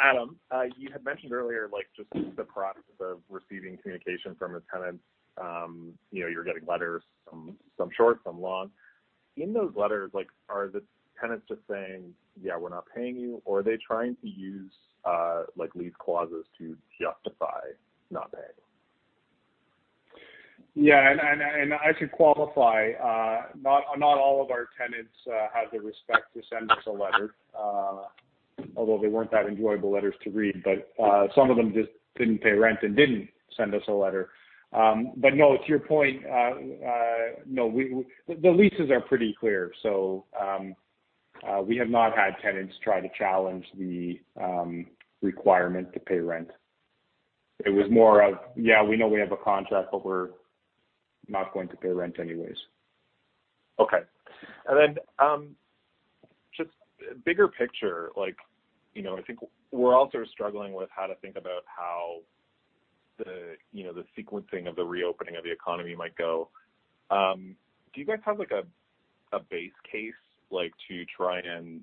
Adam, you had mentioned earlier, just the process of receiving communication from the tenants. You're getting letters, some short, some long. In those letters, are the tenants just saying, "Yeah, we're not paying you," or are they trying to use lease clauses to justify not paying? Yeah, I should qualify. Not all of our tenants had the respect to send us a letter. Although they weren't that enjoyable letters to read. Some of them just didn't pay rent and didn't send us a letter. No, to your point, the leases are pretty clear. We have not had tenants try to challenge the requirement to pay rent. It was more of, "Yeah, we know we have a contract, but we're not going to pay rent anyways. Okay. Just bigger picture. I think we're all sort of struggling with how to think about how the sequencing of the reopening of the economy might go. Do you guys have a base case to try and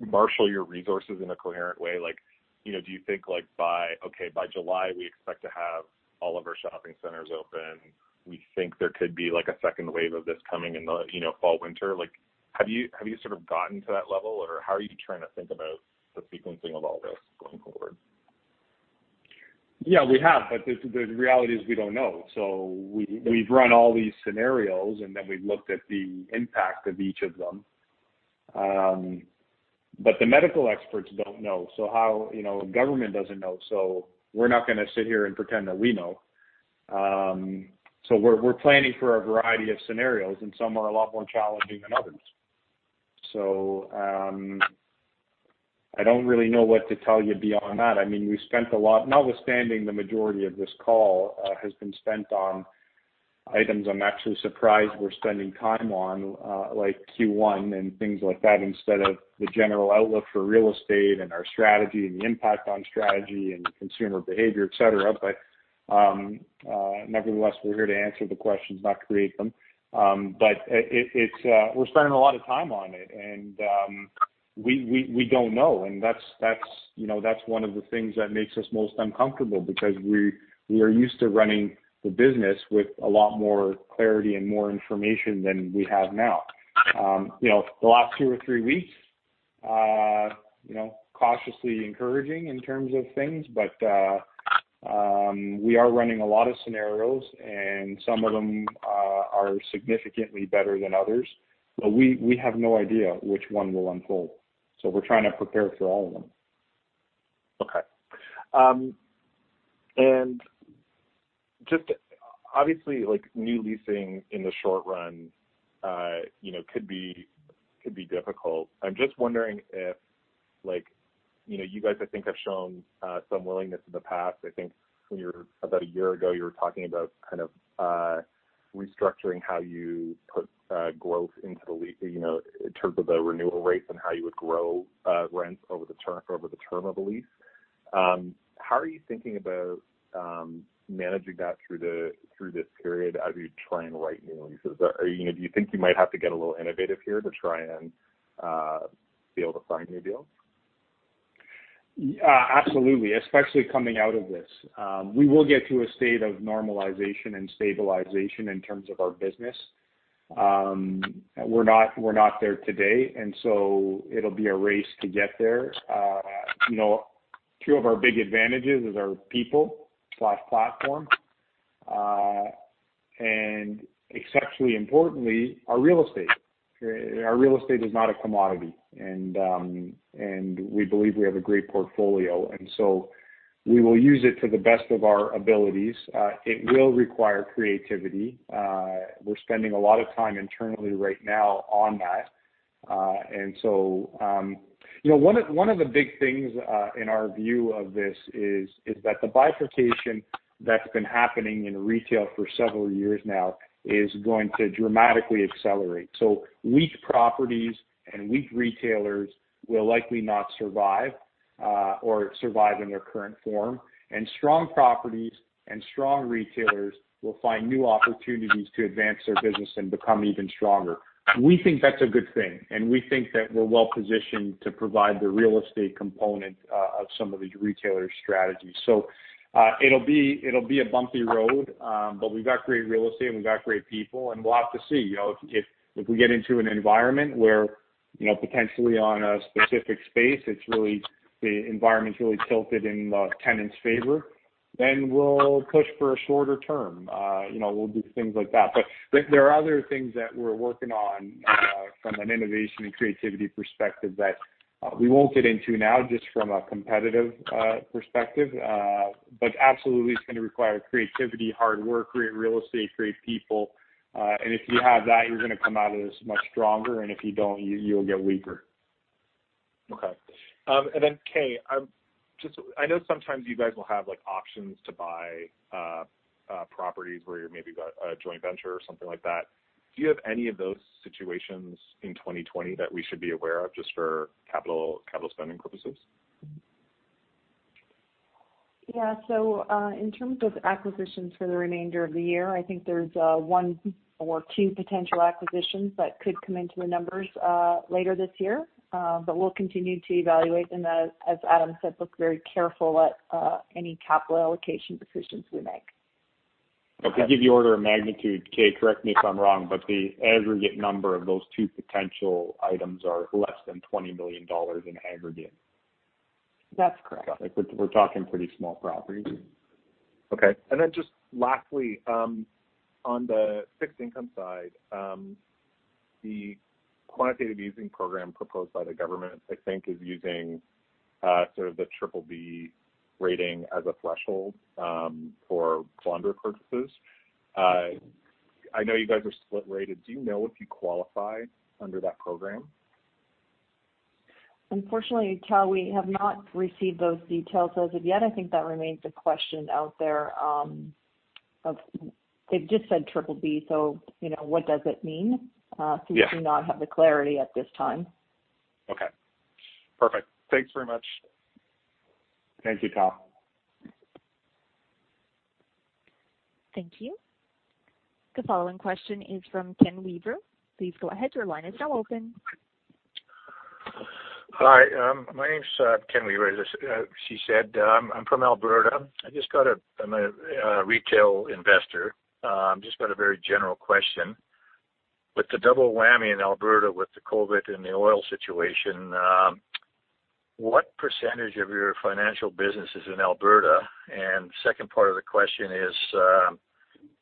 marshal your resources in a coherent way? Do you think, by July, we expect to have all of our shopping centers open? We think there could be a second wave of this coming in the fall, winter. Have you sort of gotten to that level, or how are you trying to think about the sequencing of all this going forward? Yeah, we have. The reality is we don't know. We've run all these scenarios, and then we've looked at the impact of each of them. The medical experts don't know. Government doesn't know. We're not going to sit here and pretend that we know. We're planning for a variety of scenarios, and some are a lot more challenging than others. I don't really know what to tell you beyond that. Notwithstanding the majority of this call has been spent on items I'm actually surprised we're spending time on, like Q1 and things like that, instead of the general outlook for real estate and our strategy and the impact on strategy and consumer behavior, et cetera. Nevertheless, we're here to answer the questions, not create them. We're spending a lot of time on it, and we don't know, and that's one of the things that makes us most uncomfortable because we are used to running the business with a lot more clarity and more information than we have now. The last two or three weeks, cautiously encouraging in terms of things. We are running a lot of scenarios, and some of them are significantly better than others, but we have no idea which one will unfold. We're trying to prepare for all of them. Okay. Obviously, new leasing in the short run could be difficult. I'm just wondering if you guys, I think, have shown some willingness in the past. I think about a year ago, you were talking about kind of restructuring how you put growth into the lease in terms of the renewal rates and how you would grow rents over the term of a lease. How are you thinking about managing that through this period as you try and write new leases? Do you think you might have to get a little innovative here to try and be able to sign new deals? Absolutely, especially coming out of this. We will get to a state of normalization and stabilization in terms of our business. We're not there today, and so it'll be a race to get there. Two of our big advantages is our people plus platform. Exceptionally importantly, our real estate. Our real estate is not a commodity, and we believe we have a great portfolio, and so we will use it to the best of our abilities. It will require creativity. We're spending a lot of time internally right now on that. One of the big things in our view of this is that the bifurcation that's been happening in retail for several years now is going to dramatically accelerate. Weak properties and weak retailers will likely not survive or survive in their current form, and strong properties and strong retailers will find new opportunities to advance their business and become even stronger. We think that's a good thing, and we think that we're well-positioned to provide the real estate component of some of these retailers' strategies. It'll be a bumpy road, but we've got great real estate, and we've got great people, and we'll have to see. If we get into an environment where, potentially on a specific space, the environment's really tilted in the tenant's favor, then we'll push for a shorter term. We'll do things like that. There are other things that we're working on from an innovation and creativity perspective that we won't get into now, just from a competitive perspective. Absolutely, it's going to require creativity, hard work, great real estate, great people. If you have that, you're going to come out of this much stronger, and if you don't, you'll get weaker. Okay. Kay, I know sometimes you guys will have options to buy properties where you're maybe a joint venture or something like that. Do you have any of those situations in 2020 that we should be aware of just for capital spending purposes? Yeah. In terms of acquisitions for the remainder of the year, I think there's one or two potential acquisitions that could come into the numbers later this year. We'll continue to evaluate and, as Adam said, look very careful at any capital allocation decisions we make. Okay. To give you order of magnitude, Kay, correct me if I'm wrong, but the aggregate number of those two potential items are less than 20 million dollars in aggregate. That's correct. We're talking pretty small properties. Okay. Just lastly, on the fixed income side, the quantitative easing program proposed by the government, I think is using sort of the BBB rating as a threshold for plunder purposes. I know you guys are split-rated. Do you know if you qualify under that program? Unfortunately, Tal, we have not received those details as of yet. I think that remains a question out there. They've just said triple B, so what does it mean? Yeah. We do not have the clarity at this time. Okay, perfect. Thanks very much. Thank you, Tal. Thank you. The following question is from Ken Weaver. Please go ahead, your line is now open. Hi, my name's Ken Weaver, as she said. I'm from Alberta. I'm a retail investor. Just got a very general question. With the double whammy in Alberta with the COVID and the oil situation, what percentage of your financial business is in Alberta? Second part of the question is,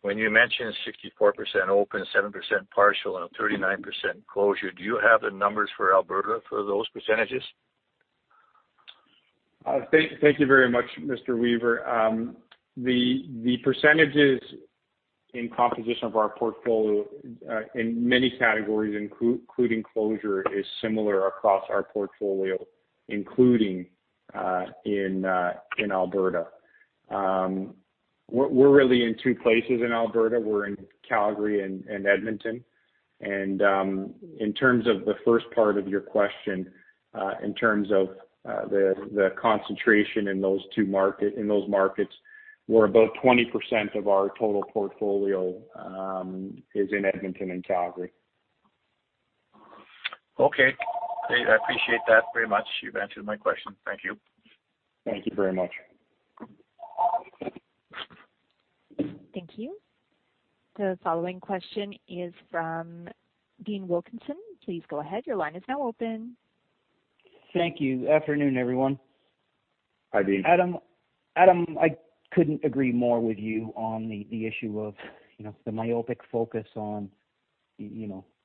when you mention 64% open, 7% partial, and a 39% closure, do you have the numbers for Alberta for those percentages? Thank you very much, Mr. Weaver. The percentages in composition of our portfolio, in many categories, including closure, is similar across our portfolio, including in Alberta. We're really in two places in Alberta. We're in Calgary and Edmonton. In terms of the first part of your question, in terms of the concentration in those markets, we're about 20% of our total portfolio is in Edmonton and Calgary. Okay. Great. I appreciate that very much. You've answered my question. Thank you. Thank you very much. Thank you. The following question is from Dean Wilkinson. Please go ahead. Your line is now open. Thank you. Afternoon, everyone. Hi, Dean. Adam, I couldn't agree more with you on the issue of the myopic focus on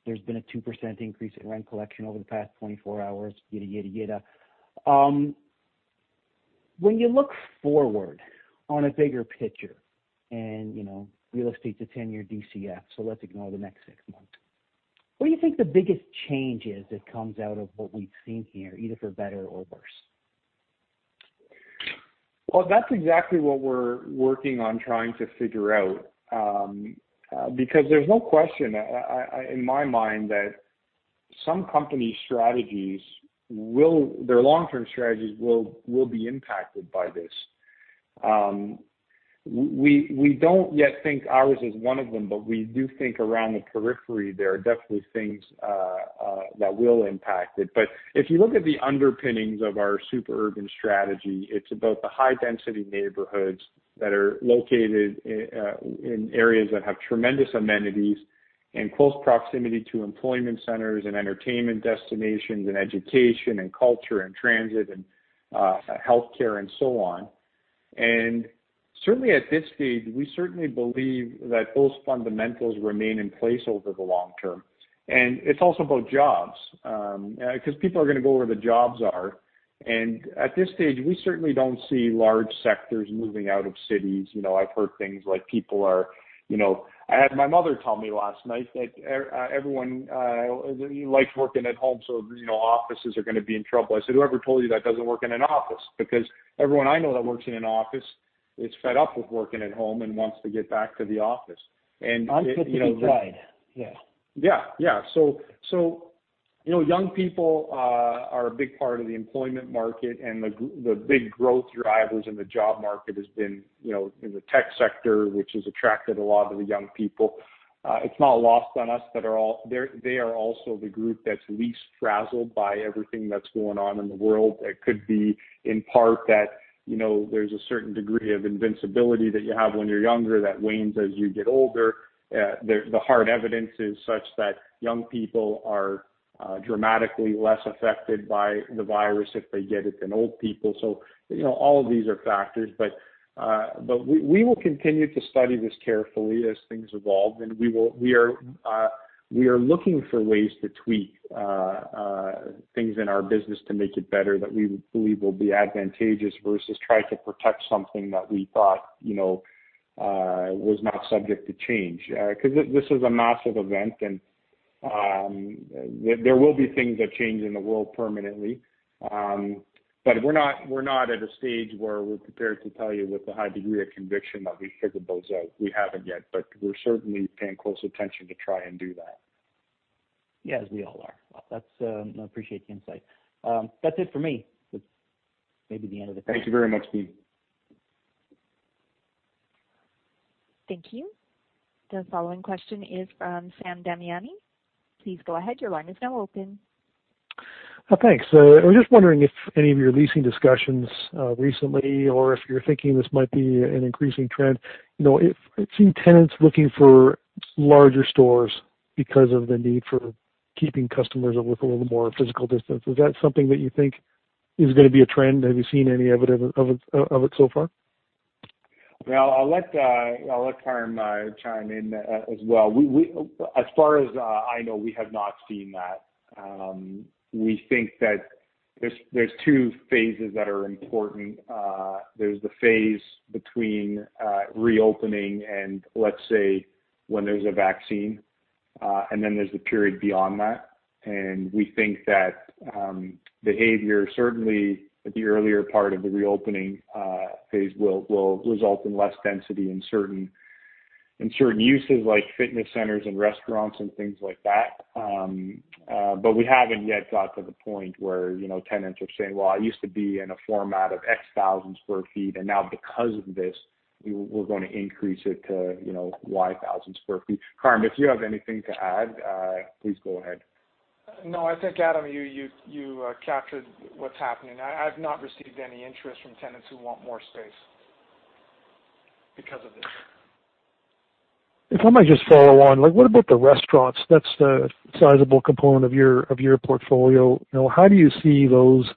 there's been a 2% increase in rent collection over the past 24 hours, yadda yadda yadda. When you look forward on a bigger picture and real estate's a 10-year DCF, so let's ignore the next six months. What do you think the biggest change is that comes out of what we've seen here, either for better or worse? Well, that's exactly what we're working on trying to figure out. There's no question in my mind that some company strategies, their long-term strategies, will be impacted by this. We don't yet think ours is one of them, but we do think around the periphery, there are definitely things that will impact it. If you look at the underpinnings of our super urban strategy, it's about the high-density neighborhoods that are located in areas that have tremendous amenities and close proximity to employment centers and entertainment destinations and education and culture and transit and healthcare and so on. Certainly at this stage, we certainly believe that those fundamentals remain in place over the long term. It's also about jobs, because people are going to go where the jobs are. At this stage, we certainly don't see large sectors moving out of cities. I had my mother tell me last night that everyone likes working at home, so offices are going to be in trouble. I said, "Whoever told you that doesn't work in an office." Because everyone I know that works in an office is fed up with working at home and wants to get back to the office. Until people tried. Yeah. Yeah. Young people are a big part of the employment market, and the big growth drivers in the job market has been in the tech sector, which has attracted a lot of the young people. It's not lost on us that they are also the group that's least frazzled by everything that's going on in the world. It could be in part that there's a certain degree of invincibility that you have when you're younger that wanes as you get older. The hard evidence is such that young people are dramatically less affected by the virus if they get it, than old people. All of these are factors. We will continue to study this carefully as things evolve. We are looking for ways to tweak things in our business to make it better that we believe will be advantageous versus try to protect something that we thought was not subject to change. This is a massive event, and there will be things that change in the world permanently. We're not at a stage where we're prepared to tell you with a high degree of conviction that we've figured those out. We haven't yet, but we're certainly paying close attention to try and do that. Yes, we all are. Well, I appreciate the insight. That's it for me. That's maybe the end of the call. Thank you very much, Dean. Thank you. The following question is from Sam Damiani. Please go ahead. Your line is now open. Thanks. I was just wondering if any of your leasing discussions recently or if you're thinking this might be an increasing trend. If some tenants looking for larger stores because of the need for keeping customers with a little more physical distance, is that something that you think is going to be a trend? Have you seen any evidence of it so far? I'll let Carm chime in as well. As far as I know, we have not seen that. We think that there's two phases that are important. There's the phase between reopening and let's say, when there's a vaccine, and then there's the period beyond that. We think that behavior, certainly at the earlier part of the reopening phase, will result in less density in certain uses like fitness centers and restaurants and things like that. We haven't yet got to the point where tenants are saying, "Well, I used to be in a format of X thousand square feet, and now because of this, we're going to increase it to Y thousand square feet." Carm, if you have anything to add, please go ahead. No, I think, Adam, you captured what's happening. I've not received any interest from tenants who want more space because of this. If I might just follow on. What about the restaurants? That is a sizable component of your portfolio. How do you see those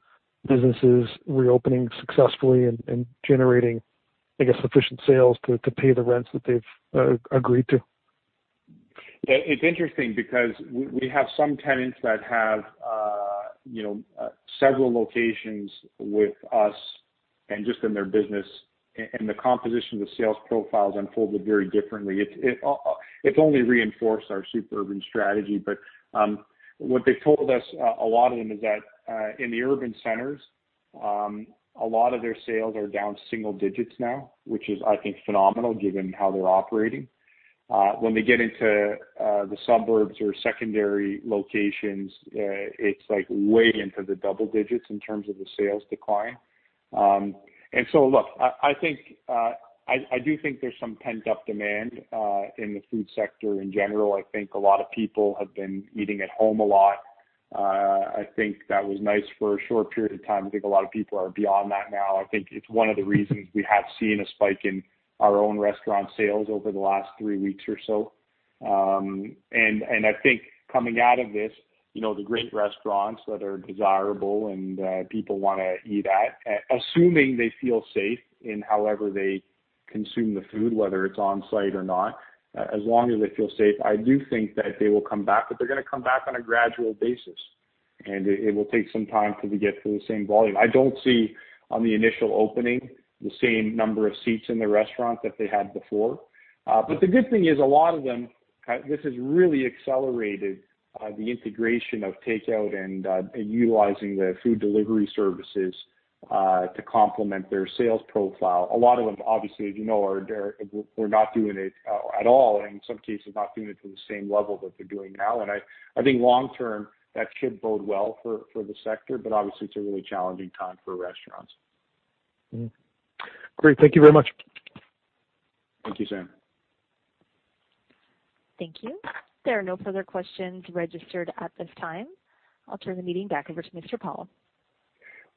businesses reopening successfully and generating, I guess, sufficient sales to pay the rents that they have agreed to? It's interesting because we have some tenants that have several locations with us and just in their business. The composition of the sales profiles unfolded very differently. It's only reinforced our suburban strategy. What they told us, a lot of them, is that in the urban centers, a lot of their sales are down single digits now, which is, I think, phenomenal given how they're operating. When they get into the suburbs or secondary locations, it's way into the double digits in terms of the sales decline. Look, I do think there's some pent-up demand in the food sector in general. I think a lot of people have been eating at home a lot. I think that was nice for a short period of time. I think a lot of people are beyond that now. I think it's one of the reasons we have seen a spike in our own restaurant sales over the last three weeks or so. I think coming out of this, the great restaurants that are desirable and people want to eat at, assuming they feel safe in however they consume the food, whether it's on-site or not, as long as they feel safe, I do think that they will come back, but they're going to come back on a gradual basis, and it will take some time till we get to the same volume. I don't see on the initial opening, the same number of seats in the restaurant that they had before. The good thing is a lot of them, this has really accelerated the integration of takeout and utilizing the food delivery services to complement their sales profile. A lot of them, obviously, as you know, were not doing it at all, and in some cases, not doing it to the same level that they're doing now. I think long-term, that should bode well for the sector. Obviously, it's a really challenging time for restaurants. Great. Thank you very much. Thank you, Sam. Thank you. There are no further questions registered at this time. I'll turn the meeting back over to Mr. Paul.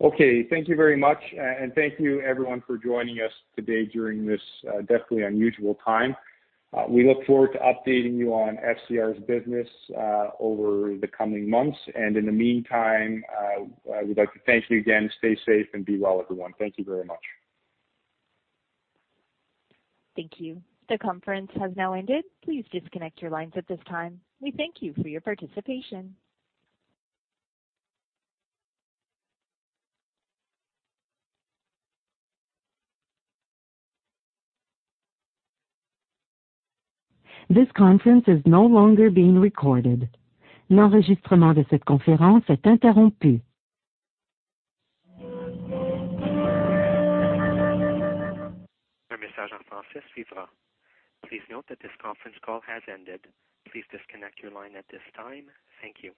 Okay. Thank you very much. Thank you everyone for joining us today during this definitely unusual time. We look forward to updating you on FCR's business over the coming months. In the meantime, I would like to thank you again. Stay safe and be well, everyone. Thank you very much. Thank you. The conference has now ended. Please disconnect your lines at this time. We thank you for your participation. This conference is no longer being recorded. Please note that this conference call has ended. Please disconnect your line at this time. Thank you.